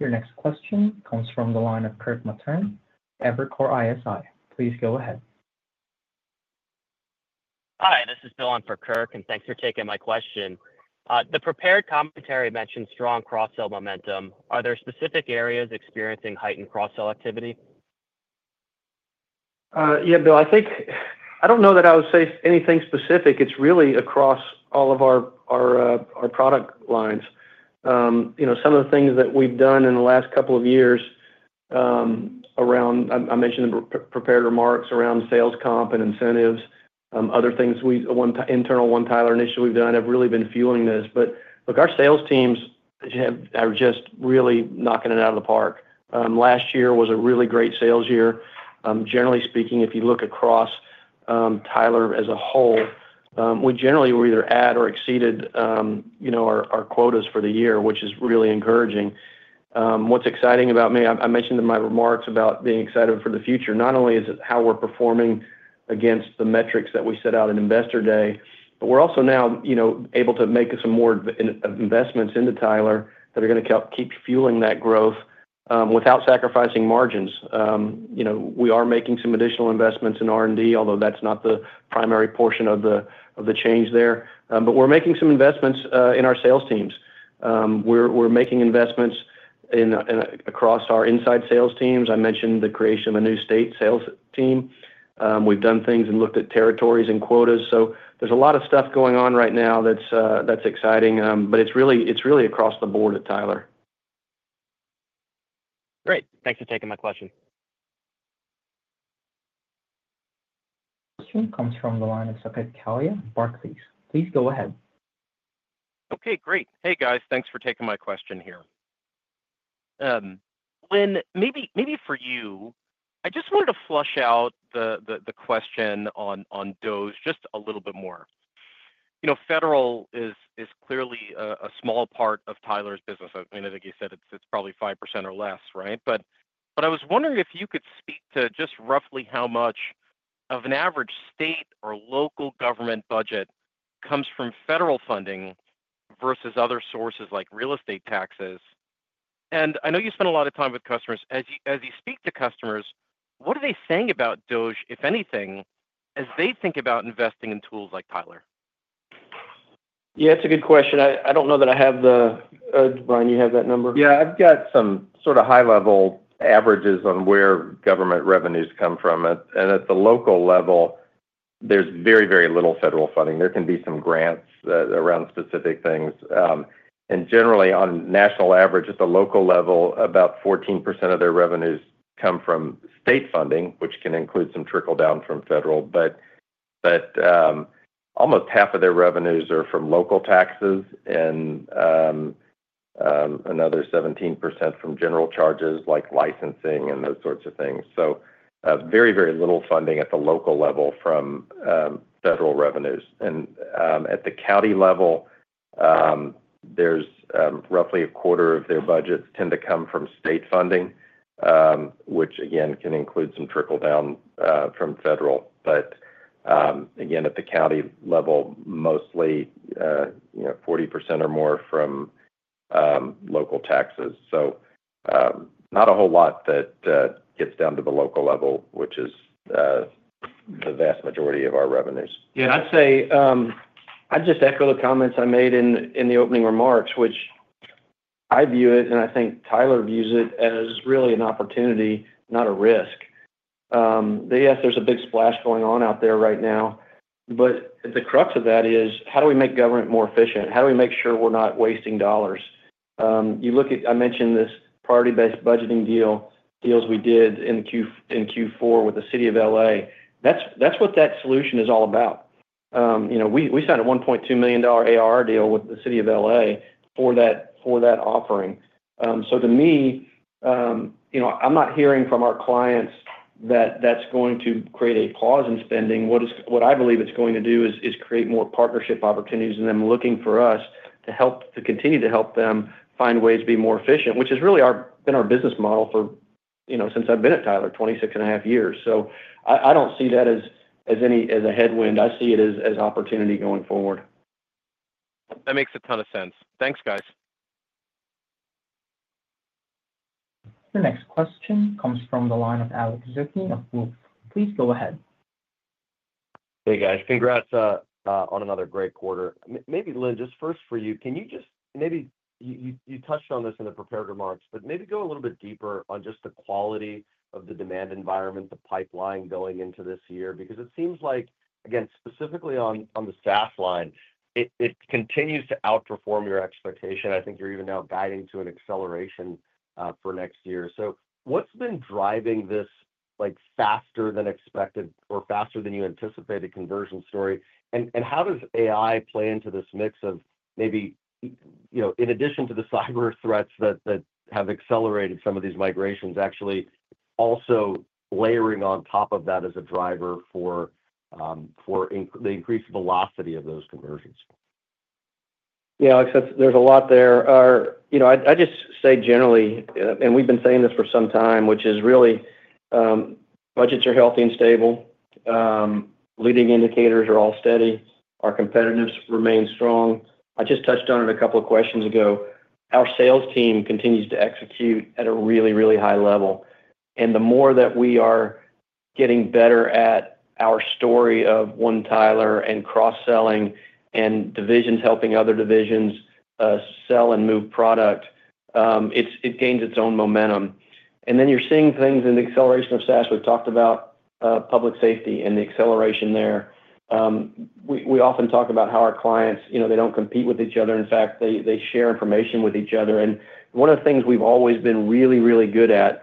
Speaker 1: Your next question comes from the line of Kirk Materne, Evercore ISI. Please go ahead. Hi. This is Bill on for Kirk, and thanks for taking my question. The prepared commentary mentioned strong cross-sell momentum. Are there specific areas experiencing heightened cross-sell activity?
Speaker 3: Yeah, Bill, I don't know that I would say anything specific. It's really across all of our product lines. Some of the things that we've done in the last couple of years around, I mentioned the prepared remarks around sales comp and incentives, other things we've done internally, One Tyler initiative we've done have really been fueling this. But look, our sales teams are just really knocking it out of the park. Last year was a really great sales year. Generally speaking, if you look across Tyler as a whole, we generally were either at or exceeded our quotas for the year, which is really encouraging. What's exciting about me. I mentioned in my remarks about being excited for the future, not only is it how we're performing against the metrics that we set out at Investor Day, but we're also now able to make some more investments into Tyler that are going to keep fueling that growth without sacrificing margins. We are making some additional investments in R&D, although that's not the primary portion of the change there. But we're making some investments in our sales teams. We're making investments across our inside sales teams. I mentioned the creation of a new state sales team. We've done things and looked at territories and quotas. So there's a lot of stuff going on right now that's exciting, but it's really across the board at Tyler. Great. Thanks for taking my question.
Speaker 1: Question comes from the line of Saket Kalia with Barclays. Please go ahead.
Speaker 8: Okay. Great. Hey, guys. Thanks for taking my question here. Lynn, maybe for you, I just wanted to flesh out the question on DOGE just a little bit more. Federal is clearly a small part of Tyler's business. I mean, I think you said it's probably 5% or less, right? But I was wondering if you could speak to just roughly how much of an average state or local government budget comes from federal funding versus other sources like real estate taxes. And I know you spend a lot of time with customers. As you speak to customers, what are they saying about DOGE, if anything, as they think about investing in tools like Tyler?
Speaker 3: Yeah, it's a good question. I don't know that I have the number. Brian, you have that number?
Speaker 4: Yeah. I've got some sort of high-level averages on where government revenues come from. And at the local level, there's very, very little federal funding. There can be some grants around specific things. And generally, on national average, at the local level, about 14% of their revenues come from state funding, which can include some trickle-down from federal. But almost half of their revenues are from local taxes and another 17% from general charges like licensing and those sorts of things. So very, very little funding at the local level from federal revenues. And at the county level, roughly a quarter of their budgets tend to come from state funding, which, again, can include some trickle-down from federal. But again, at the county level, mostly 40% or more from local taxes. So not a whole lot that gets down to the local level, which is the vast majority of our revenues.
Speaker 3: Yeah. I'd say I'd just echo the comments I made in the opening remarks, which I view it, and I think Tyler views it as really an opportunity, not a risk. Yes, there's a big splash going on out there right now. But the crux of that is, how do we make government more efficient? How do we make sure we're not wasting dollars? You look at. I mentioned this Priority Based Budgeting deal, deals we did in Q4 with the City of Los Angeles. That's what that solution is all about. We signed a $1.2 million ARR deal with the City of Los Angeles for that offering. So to me, I'm not hearing from our clients that that's going to create a pause in spending. What I believe it's going to do is create more partnership opportunities in them looking for us to continue to help them find ways to be more efficient, which has really been our business model since I've been at Tyler, 26 and a half years. So I don't see that as a headwind. I see it as opportunity going forward.
Speaker 8: That makes a ton of sense. Thanks, guys.
Speaker 1: The next question comes from the line of Alex Zukin of Wolfe Research. Please go ahead.
Speaker 9: Hey, guys. Congrats on another great quarter. Maybe, Lynn, just first for you, can you just, maybe you touched on this in the prepared remarks, but maybe go a little bit deeper on just the quality of the demand environment, the pipeline going into this year. Because it seems like, again, specifically on the SaaS line, it continues to outperform your expectation. I think you're even now guiding to an acceleration for next year. So what's been driving this faster than expected or faster than you anticipated conversion story? And how does AI play into this mix of maybe, in addition to the cyber threats that have accelerated some of these migrations, actually also layering on top of that as a driver for the increased velocity of those conversions?
Speaker 3: Yeah, Alex, there's a lot there. I just say generally, and we've been saying this for some time, which is really budgets are healthy and stable. Leading indicators are all steady. Our competitiveness remains strong. I just touched on it a couple of questions ago. Our sales team continues to execute at a really, really high level. The more that we are getting better at our story of One Tyler and cross-selling and divisions helping other divisions sell and move product, it gains its own momentum. Then you're seeing things in the acceleration of SaaS. We've talked about public safety and the acceleration there. We often talk about how our clients, they don't compete with each other. In fact, they share information with each other. One of the things we've always been really, really good at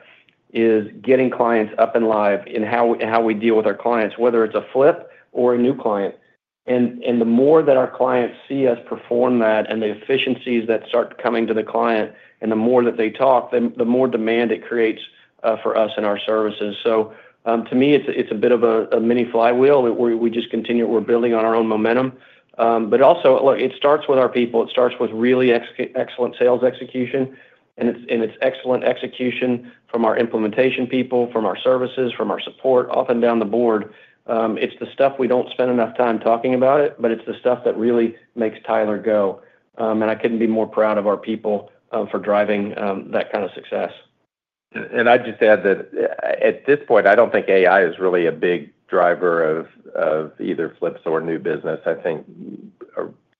Speaker 3: is getting clients up and live in how we deal with our clients, whether it's a flip or a new client. The more that our clients see us perform that and the efficiencies that start coming to the client, and the more that they talk, the more demand it creates for us and our services. To me, it's a bit of a mini flywheel where we just continue, we're building on our own momentum. But also, look, it starts with our people. It starts with really excellent sales execution. And it's excellent execution from our implementation people, from our services, from our support, up and down the board. It's the stuff we don't spend enough time talking about it, but it's the stuff that really makes Tyler go. And I couldn't be more proud of our people for driving that kind of success.
Speaker 4: And I'd just add that at this point, I don't think AI is really a big driver of either flips or new business. I think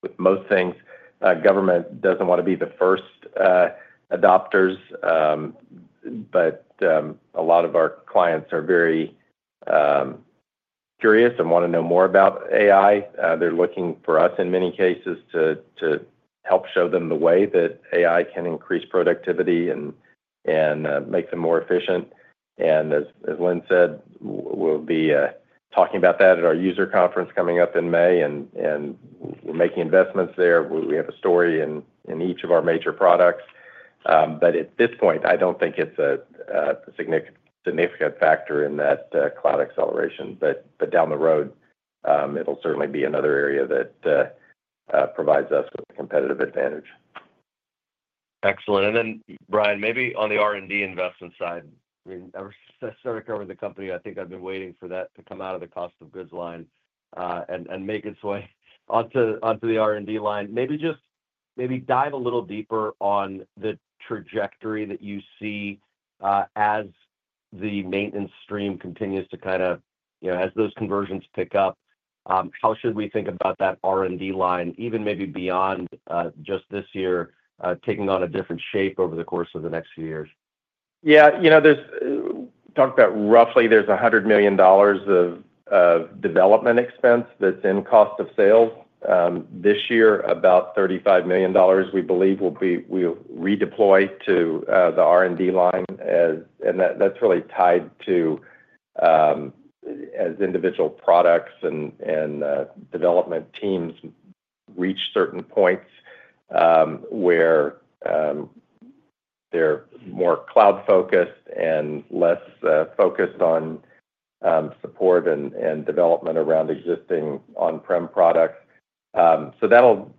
Speaker 4: with most things, government doesn't want to be the first adopters. But a lot of our clients are very curious and want to know more about AI. They're looking for us in many cases to help show them the way that AI can increase productivity and make them more efficient. And as Lynn said, we'll be talking about that at our user conference coming up in May. And we're making investments there. We have a story in each of our major products. But at this point, I don't think it's a significant factor in that cloud acceleration. But down the road, it'll certainly be another area that provides us with a competitive advantage.
Speaker 9: Excellent. And then, Brian, maybe on the R&D investment side, we started covering the company. I think I've been waiting for that to come out of the cost of goods line and make its way onto the R&D line. Maybe dive a little deeper on the trajectory that you see as the maintenance stream continues to kind of, as those conversions pick up, how should we think about that R&D line, even maybe beyond just this year, taking on a different shape over the course of the next few years?
Speaker 4: Yeah. Talk about roughly, there's $100 million of development expense that's in cost of sale. This year, about $35 million, we believe, we'll redeploy to the R&D line. And that's really tied to, as individual products and development teams reach certain points where they're more cloud-focused and less focused on support and development around existing on-prem products. So that'll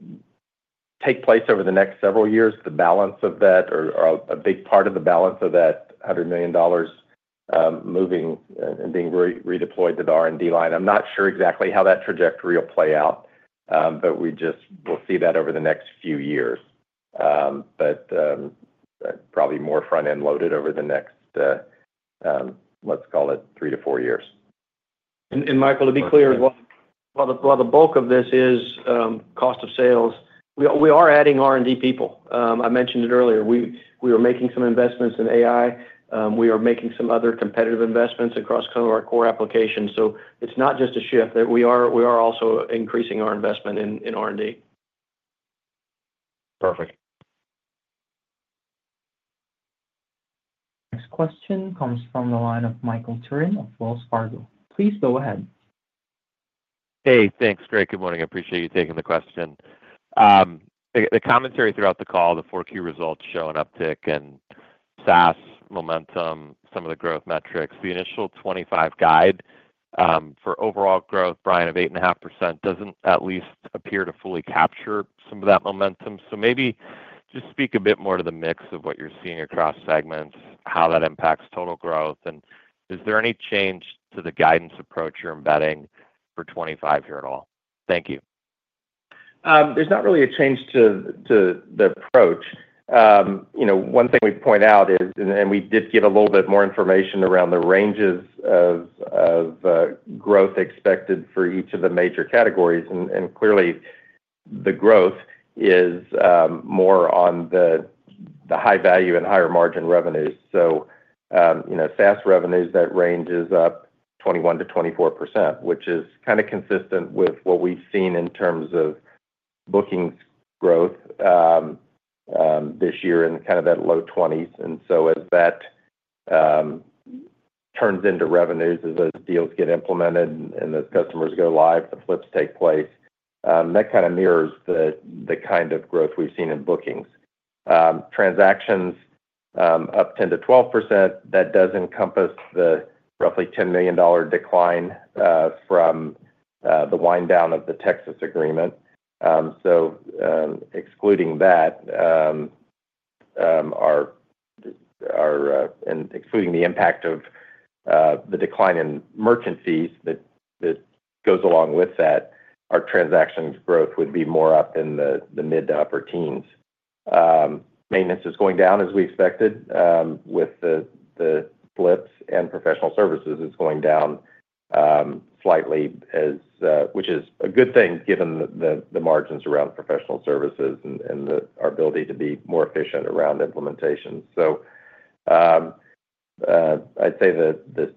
Speaker 4: take place over the next several years. The balance of that, or a big part of the balance of that $100 million moving and being redeployed to the R&D line. I'm not sure exactly how that trajectory will play out, but we'll see that over the next few years. But probably more front-end loaded over the next, let's call it, three to four years.
Speaker 3: And Michael, to be clear as well, while the bulk of this is cost of sales, we are adding R&D people. I mentioned it earlier. We are making some investments in AI. We are making some other competitive investments across some of our core applications. So it's not just a shift. We are also increasing our investment in R&D.
Speaker 9: Perfect.
Speaker 1: Next question comes from the line of Michael Turrin of Wells Fargo. Please go ahead.
Speaker 10: Hey, thanks. Great. Good morning. I appreciate you taking the question. The commentary throughout the call, the 4Q results show an uptick in SaaS momentum, some of the growth metrics. The initial 2025 guide for overall growth, Brian, of 8.5% doesn't at least appear to fully capture some of that momentum. So maybe just speak a bit more to the mix of what you're seeing across segments, how that impacts total growth. And is there any change to the guidance approach you're embedding for 2025 here at all? Thank you.
Speaker 4: There's not really a change to the approach. One thing we point out is, and we did give a little bit more information around the ranges of growth expected for each of the major categories. And clearly, the growth is more on the high value and higher margin revenues. So SaaS revenues, that range is up 21%-24%, which is kind of consistent with what we've seen in terms of bookings growth this year in kind of that low 20s. And so as that turns into revenues, as those deals get implemented and those customers go live, the flips take place. That kind of mirrors the kind of growth we've seen in bookings. Transactions up 10%-12%. That does encompass the roughly $10 million decline from the wind down of the Texas agreement. So excluding that and excluding the impact of the decline in merchant fees that goes along with that, our transactions growth would be more up in the mid to upper teens. Maintenance is going down as we expected with the flips, and professional services is going down slightly, which is a good thing given the margins around professional services and our ability to be more efficient around implementation. So I'd say the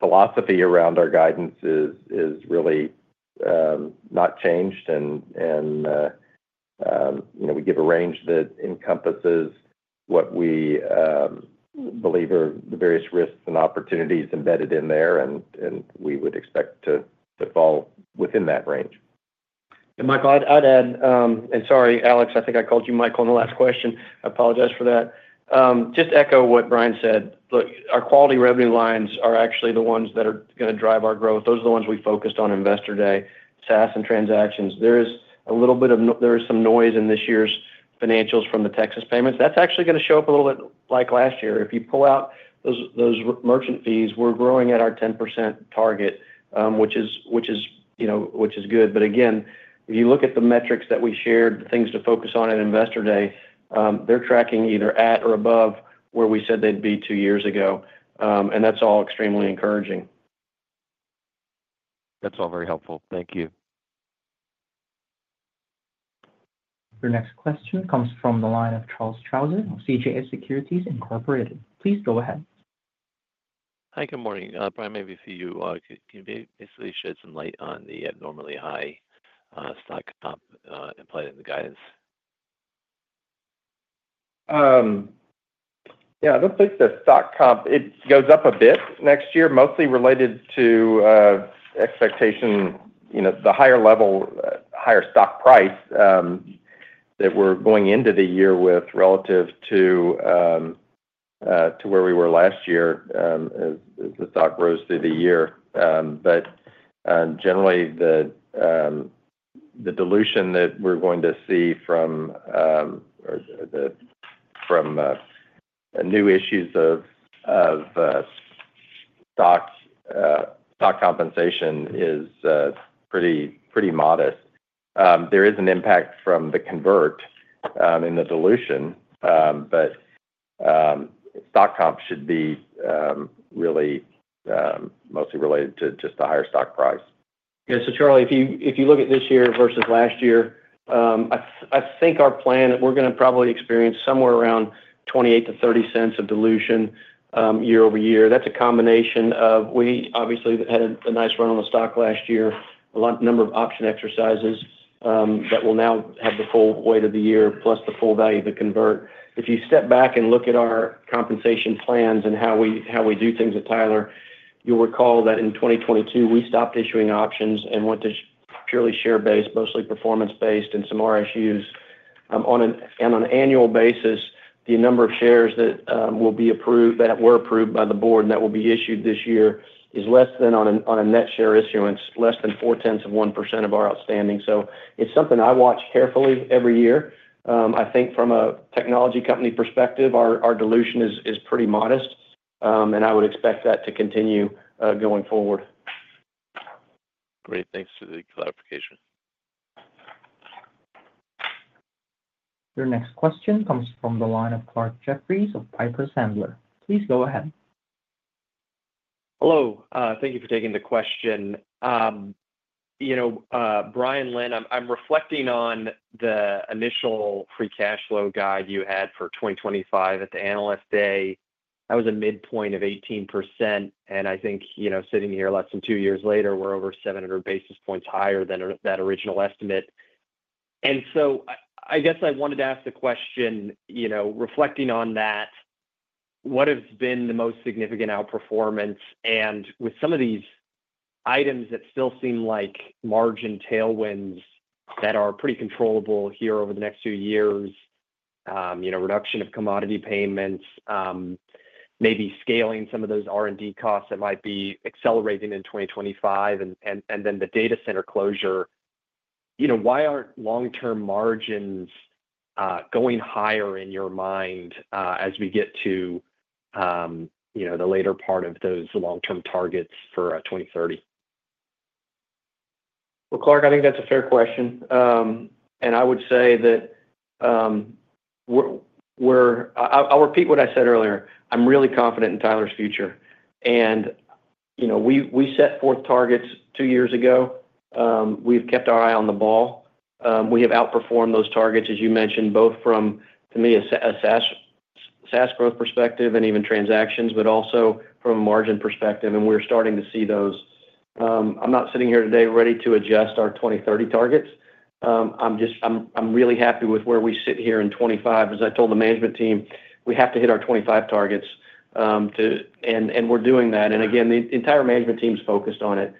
Speaker 4: philosophy around our guidance is really not changed. We give a range that encompasses what we believe are the various risks and opportunities embedded in there. We would expect to fall within that range.
Speaker 3: Michael, I'd add, and sorry, Alex, I think I called you Michael in the last question. I apologize for that. Just echo what Brian said. Look, our quality revenue lines are actually the ones that are going to drive our growth. Those are the ones we focused on Investor Day, SaaS and transactions. There is some noise in this year's financials from the Texas payments. That's actually going to show up a little bit like last year. If you pull out those merchant fees, we're growing at our 10% target, which is good. But again, if you look at the metrics that we shared, the things to focus on at Investor Day, they're tracking either at or above where we said they'd be two years ago. And that's all extremely encouraging.
Speaker 10: That's all very helpful. Thank you.
Speaker 1: The next question comes from the line of Charles Strauzer of CJS Securities. Please go ahead.
Speaker 11: Hi. Good morning. Brian, maybe if you can basically shed some light on the abnormally high stock comp implied in the guidance.
Speaker 4: Yeah. It looks like the stock comp, it goes up a bit next year, mostly related to expectation, the higher level, higher stock price that we're going into the year with relative to where we were last year as the stock rose through the year. But generally, the dilution that we're going to see from new issues of stock compensation is pretty modest. There is an impact from the convert in the dilution, but stock comp should be really mostly related to just the higher stock price.
Speaker 3: Yeah. So Charlie, if you look at this year versus last year, I think our plan, we're going to probably experience somewhere around $0.28-$0.30 of dilution year over year. That's a combination of we obviously had a nice run on the stock last year, a lot of number of option exercises that will now have the full weight of the year plus the full value of the convert. If you step back and look at our compensation plans and how we do things at Tyler, you'll recall that in 2022, we stopped issuing options and went to purely share-based, mostly performance-based and some RSUs. On an annual basis, the number of shares that were approved by the board and that will be issued this year is less than, on a net share issuance, less than 4/10 of 1% of our outstanding. So it's something I watch carefully every year. I think from a technology company perspective, our dilution is pretty modest. And I would expect that to continue going forward.
Speaker 11: Great. Thanks for the clarification.
Speaker 1: The next question comes from the line of Clarke Jeffries of Piper Sandler. Please go ahead.
Speaker 12: Hello. Thank you for taking the question. Brian and Lynn, I'm reflecting on the initial free cash flow guide you had for 2025 at the Analyst Day. That was a midpoint of 18%. And I think sitting here less than two years later, we're over 700 basis points higher than that original estimate. And so I guess I wanted to ask the question, reflecting on that, what has been the most significant outperformance? And with some of these items that still seem like margin tailwinds that are pretty controllable here over the next few years, reduction of commodity payments, maybe scaling some of those R&D costs that might be accelerating in 2025, and then the data center closure, why aren't long-term margins going higher in your mind as we get to the later part of those long-term targets for 2030?
Speaker 3: Well, Clarke, I think that's a fair question. And I would say that we're. I'll repeat what I said earlier. I'm really confident in Tyler's future. And we set forth targets two years ago. We've kept our eye on the ball. We have outperformed those targets, as you mentioned, both from, to me, a SaaS growth perspective and even transactions, but also from a margin perspective, and we're starting to see those. I'm not sitting here today ready to adjust our 2030 targets. I'm really happy with where we sit here in 2025. As I told the management team, we have to hit our 2025 targets, and we're doing that, and again, the entire management team's focused on it.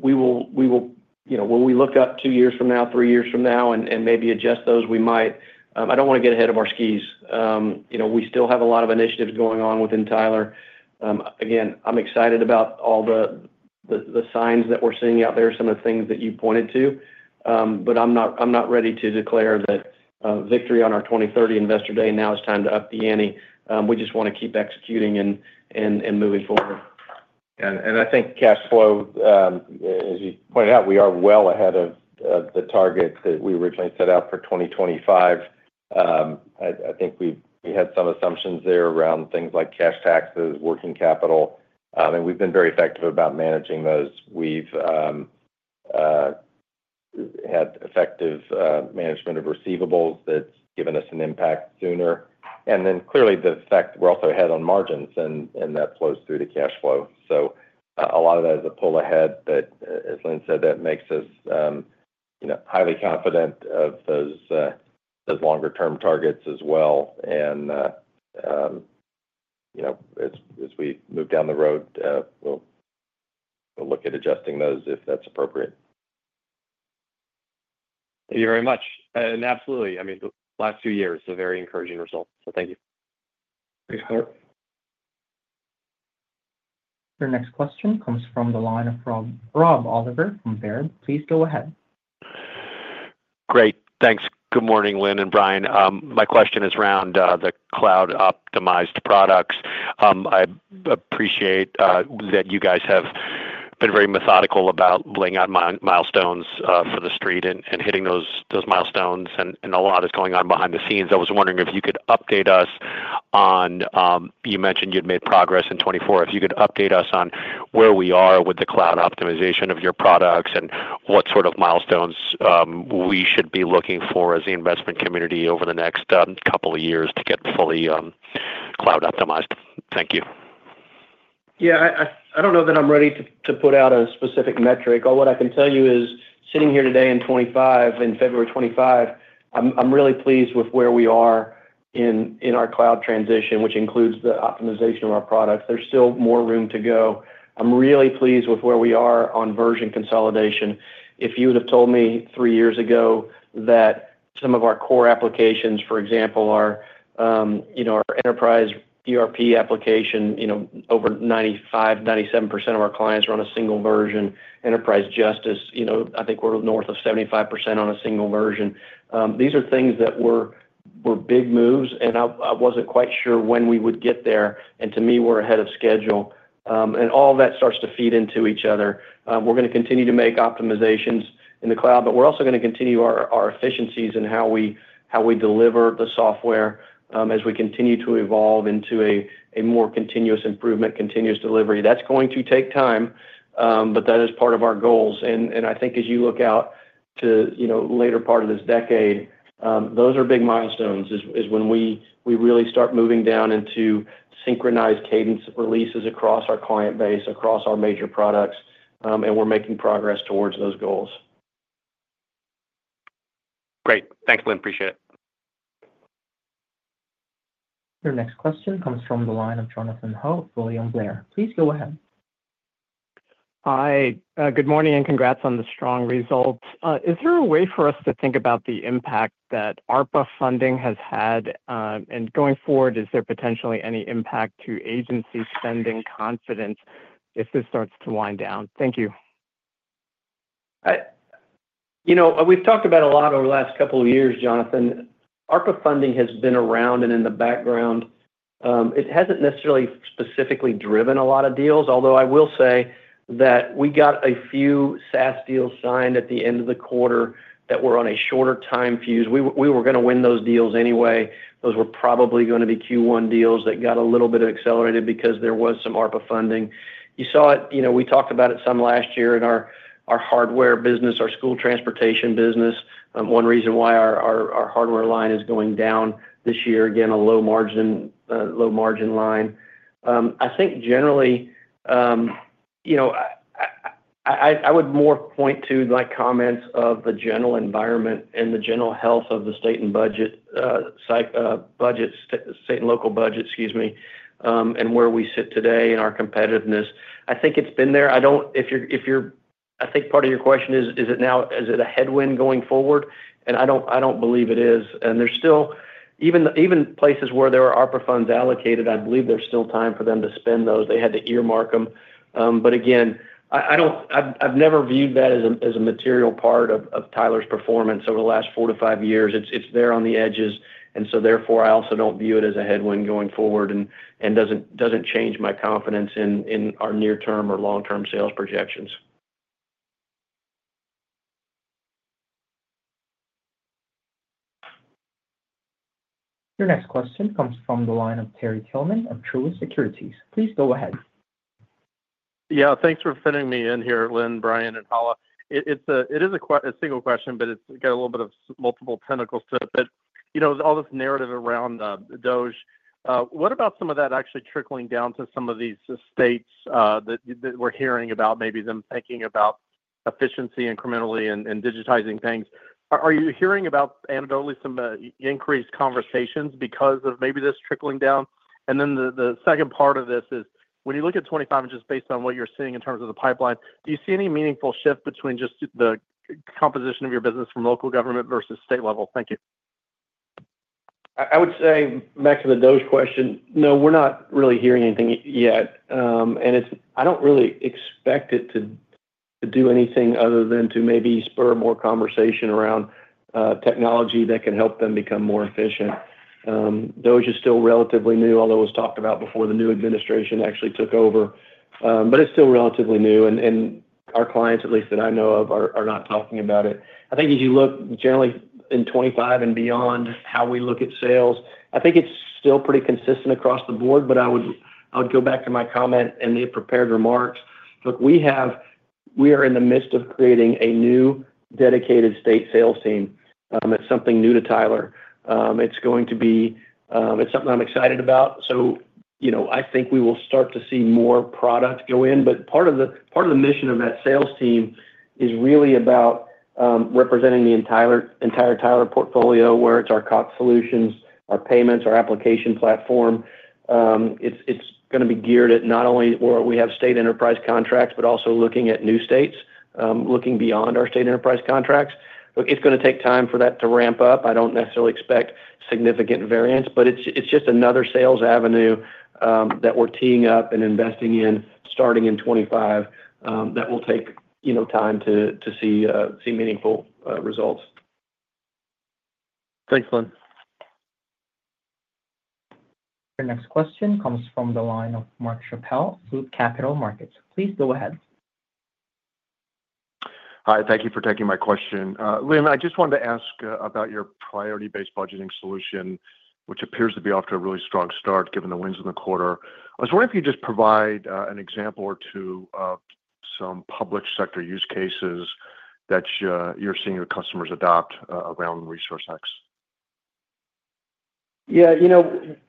Speaker 3: We will, when we look up two years from now, three years from now, and maybe adjust those, we might. I don't want to get ahead of our skis. We still have a lot of initiatives going on within Tyler. Again, I'm excited about all the signs that we're seeing out there, some of the things that you pointed to, but I'm not ready to declare that victory on our 2030 Investor Day. Now it's time to up the ante. We just want to keep executing and moving forward.
Speaker 4: And I think cash flow, as you pointed out, we are well ahead of the target that we originally set out for 2025. I think we had some assumptions there around things like cash taxes, working capital. And we've been very effective about managing those. We've had effective management of receivables that's given us an impact sooner. And then clearly, the fact that we're also ahead on margins, and that flows through to cash flow. So a lot of that is a pull ahead. But as Lynn said, that makes us highly confident of those longer-term targets as well. And as we move down the road, we'll look at adjusting those if that's appropriate.
Speaker 12: Thank you very much. And absolutely. I mean, the last two years are very encouraging results. So thank you.
Speaker 4: Thanks, Clarke.
Speaker 1: The next question comes from the line of Rob Oliver from Baird. Please go ahead.
Speaker 13: Great. Thanks. Good morning, Lynn and Brian. My question is around the cloud-optimized products. I appreciate that you guys have been very methodical about laying out milestones for the street and hitting those milestones and a lot is going on behind the scenes. I was wondering if you could update us on—you mentioned you'd made progress in 2024. If you could update us on where we are with the cloud optimization of your products and what sort of milestones we should be looking for as the investment community over the next couple of years to get fully cloud optimized. Thank you.
Speaker 3: Yeah. I don't know that I'm ready to put out a specific metric. All what I can tell you is sitting here today in 2025, in February 2025, I'm really pleased with where we are in our cloud transition, which includes the optimization of our products. There's still more room to go. I'm really pleased with where we are on version consolidation. If you would have told me three years ago that some of our core applications, for example, our Enterprise ERP application, over 95%-97% of our clients are on a single version, Enterprise Justice, I think we're north of 75% on a single version. These are things that were big moves, and I wasn't quite sure when we would get there, and to me, we're ahead of schedule, and all of that starts to feed into each other. We're going to continue to make optimizations in the cloud, but we're also going to continue our efficiencies in how we deliver the software as we continue to evolve into a more continuous improvement, continuous delivery. That's going to take time, but that is part of our goals. And I think as you look out to the later part of this decade, those are big milestones is when we really start moving down into synchronized cadence releases across our client base, across our major products. And we're making progress towards those goals.
Speaker 13: Great. Thanks, Lynn. Appreciate it.
Speaker 1: The next question comes from the line of Jonathan Ho, William Blair. Please go ahead.
Speaker 14: Hi. Good morning and congrats on the strong results. Is there a way for us to think about the impact that ARPA funding has had? And going forward, is there potentially any impact to agency spending confidence if this starts to wind down? Thank you.
Speaker 3: We've talked about a lot over the last couple of years, Jonathan. ARPA funding has been around and in the background. It hasn't necessarily specifically driven a lot of deals, although I will say that we got a few SaaS deals signed at the end of the quarter that were on a shorter time fuse. We were going to win those deals anyway. Those were probably going to be Q1 deals that got a little bit accelerated because there was some ARPA funding. You saw it. We talked about it some last year in our hardware business, our school transportation business. One reason why our hardware line is going down this year, again, a low-margin line. I think generally, I would more point to my comments of the general environment and the general health of the state and budget, state and local budget, excuse me, and where we sit today and our competitiveness. I think it's been there. If you're, I think part of your question is, is it a headwind going forward? And I don't believe it is. And there's still even places where there are ARPA funds allocated. I believe there's still time for them to spend those. They had to earmark them. But again, I've never viewed that as a material part of Tyler's performance over the last four-to-five years. It's there on the edges. And so therefore, I also don't view it as a headwind going forward and doesn't change my confidence in our near-term or long-term sales projections.
Speaker 1: The next question comes from the line of Terry Tillman of Truist Securities. Please go ahead.
Speaker 15: Yeah. Thanks for fitting me in here, Lynn, Brian, and Hala. It is a single question, but it's got a little bit of multiple tentacles to it. But all this narrative around DOGE, what about some of that actually trickling down to some of these states that we're hearing about, maybe them thinking about efficiency incrementally and digitizing things? Are you hearing about anecdotally some increased conversations because of maybe this trickling down? And then the second part of this is, when you look at 2025, just based on what you're seeing in terms of the pipeline, do you see any meaningful shift between just the composition of your business from local government versus state level? Thank you.
Speaker 3: I would say back to the DOGE question, no, we're not really hearing anything yet. And I don't really expect it to do anything other than to maybe spur more conversation around technology that can help them become more efficient. DOGE is still relatively new, although it was talked about before the new administration actually took over. But it's still relatively new. And our clients, at least that I know of, are not talking about it. I think as you look generally in 2025 and beyond, how we look at sales, I think it's still pretty consistent across the board. But I would go back to my comment and the prepared remarks. Look, we are in the midst of creating a new dedicated state sales team. It's something new to Tyler. It's going to be. It's something I'm excited about. So I think we will start to see more product go in. But part of the mission of that sales team is really about representing the entire Tyler portfolio, whether it's our COP solutions, our payments, our application platform. It's going to be geared at not only where we have state enterprise contracts, but also looking at new states, looking beyond our state enterprise contracts. It's going to take time for that to ramp up. I don't necessarily expect significant variance. But it's just another sales avenue that we're teeing up and investing in starting in 2025 that will take time to see meaningful results.
Speaker 15: Thanks, Lynn.
Speaker 1: The next question comes from the line of Mark Schappel, Loop Capital Markets. Please go ahead.
Speaker 16: Hi. Thank you for taking my question. Lynn, I just wanted to ask about your Priority Based Budgeting solution, which appears to be off to a really strong start given the wins in the quarter. I was wondering if you could just provide an example or two of some public sector use cases that you're seeing your customers adopt around ResourceX.
Speaker 3: Yeah.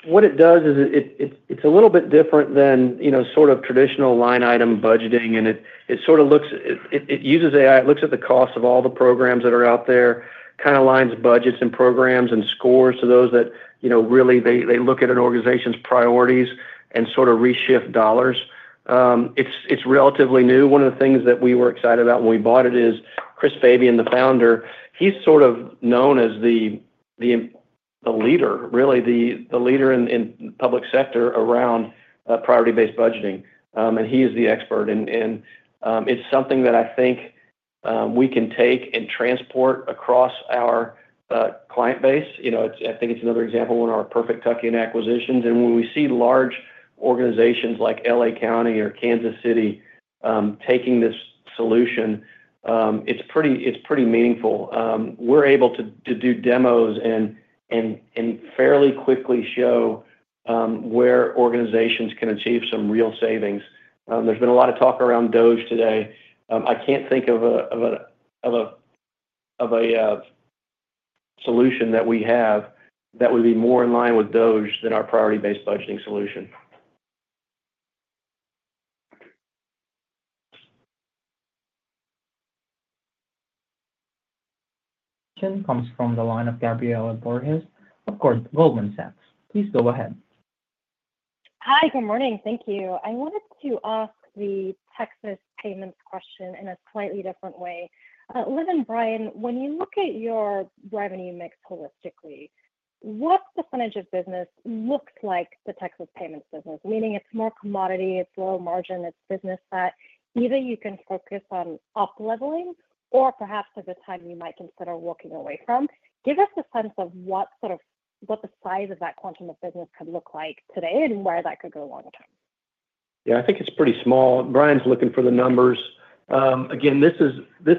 Speaker 3: What it does is it's a little bit different than sort of traditional line-item budgeting. And it sort of looks—it uses AI. It looks at the cost of all the programs that are out there, kind of lines budgets and programs and scores to those that really they look at an organization's priorities and sort of reshift dollars. It's relatively new. One of the things that we were excited about when we bought it is Chris Fabian, the Founder. He's sort of known as the leader, really, the leader in public sector around Priority Based Budgeting. And he is the expert. And it's something that I think we can take and transport across our client base. I think it's another example in our perfect tuck-in acquisitions, and when we see large organizations like LA County or Kansas City taking this solution, it's pretty meaningful. We're able to do demos and fairly quickly show where organizations can achieve some real savings. There's been a lot of talk around DOGE today. I can't think of a solution that we have that would be more in line with DOGE than our Priority Based Budgeting solution.
Speaker 1: Comes from the line of Gabriela Borges of Goldman Sachs. Please go ahead.
Speaker 17: Hi. Good morning. Thank you. I wanted to ask the Texas payments question in a slightly different way. Lynn and Brian, when you look at your revenue mix holistically, what percentage of business looks like the Texas payments business? Meaning it's more commodity. It's low margin. It's business that either you can focus on up-leveling or perhaps at the time you might consider walking away from. Give us a sense of what the size of that quantum of business could look like today and where that could go long-term.
Speaker 3: Yeah. I think it's pretty small. Brian's looking for the numbers. Again, this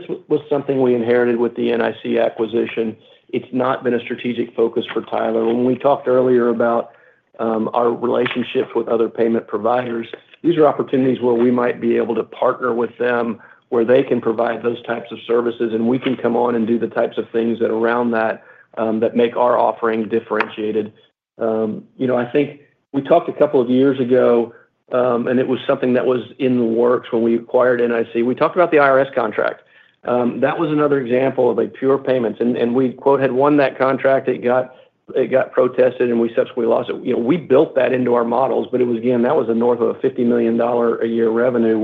Speaker 3: was something we inherited with the NIC acquisition. It's not been a strategic focus for Tyler. When we talked earlier about our relationship with other payment providers, these are opportunities where we might be able to partner with them where they can provide those types of services, and we can come on and do the types of things around that that make our offering differentiated. I think we talked a couple of years ago, and it was something that was in the works when we acquired NIC. We talked about the IRS contract. That was another example of pure payments. And we had won that contract. It got protested, and we subsequently lost it. We built that into our models. But again, that was north of a $50 million a year revenue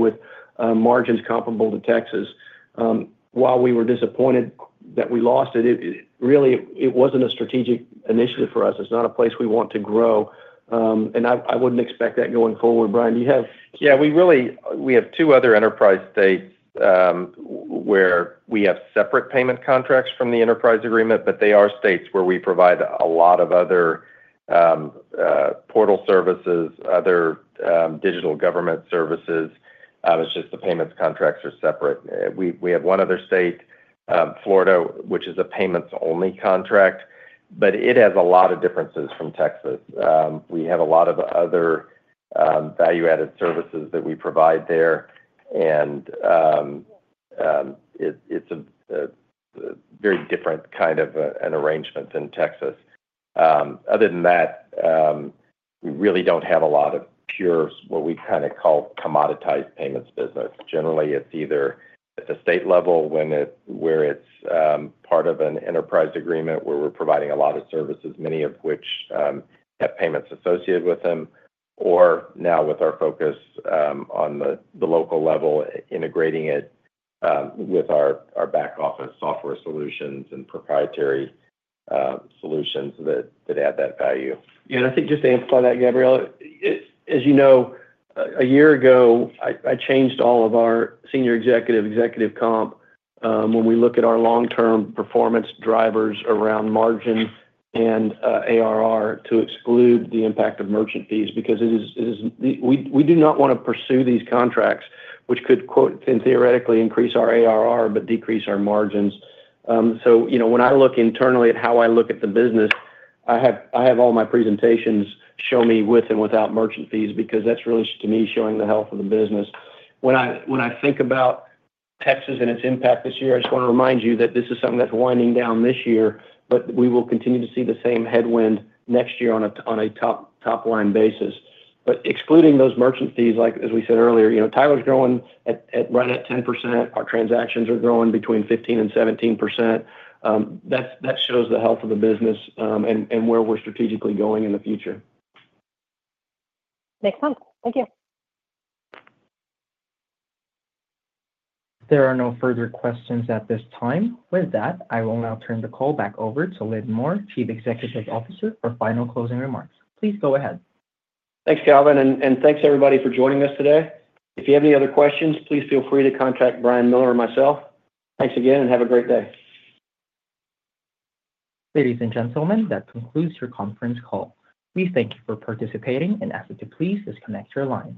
Speaker 3: with margins comparable to Texas. While we were disappointed that we lost it, really, it wasn't a strategic initiative for us. It's not a place we want to grow. And I wouldn't expect that going forward. Brian, do you have?
Speaker 4: Yeah. We have two other enterprise states where we have separate payment contracts from the enterprise agreement, but they are states where we provide a lot of other portal services, other digital government services. It's just the payments contracts are separate. We have one other state, Florida, which is a payments-only contract, but it has a lot of differences from Texas. We have a lot of other value-added services that we provide there, and it's a very different kind of an arrangement than Texas. Other than that, we really don't have a lot of pure, what we kind of call commoditized payments business. Generally, it's either at the state level where it's part of an enterprise agreement where we're providing a lot of services, many of which have payments associated with them, or now with our focus on the local level, integrating it with our back office software solutions and proprietary solutions that add that value.
Speaker 3: Yeah. And I think just to amplify that, Gabriela, as you know, a year ago, I changed all of our senior executive comp when we look at our long-term performance drivers around margin and ARR to exclude the impact of merchant fees because we do not want to pursue these contracts, which could, quote, then theoretically increase our ARR but decrease our margins. So when I look internally at how I look at the business, I have all my presentations show me with and without merchant fees because that's really, to me, showing the health of the business. When I think about Texas and its impact this year, I just want to remind you that this is something that's winding down this year, but we will continue to see the same headwind next year on a top-line basis. But excluding those merchant fees, as we said earlier, Tyler's growing right at 10%. Our transactions are growing between 15% and 17%. That shows the health of the business and where we're strategically going in the future.
Speaker 17: Makes sense. Thank you.
Speaker 1: There are no further questions at this time. With that, I will now turn the call back over to Lynn Moore, Chief Executive Officer, for final closing remarks. Please go ahead.
Speaker 3: Thanks, Kelvin. And thanks, everybody, for joining us today. If you have any other questions, please feel free to contact Brian Miller or myself. Thanks again, and have a great day.
Speaker 1: Ladies and gentlemen, that concludes your conference call. We thank you for participating and ask that you please disconnect your line.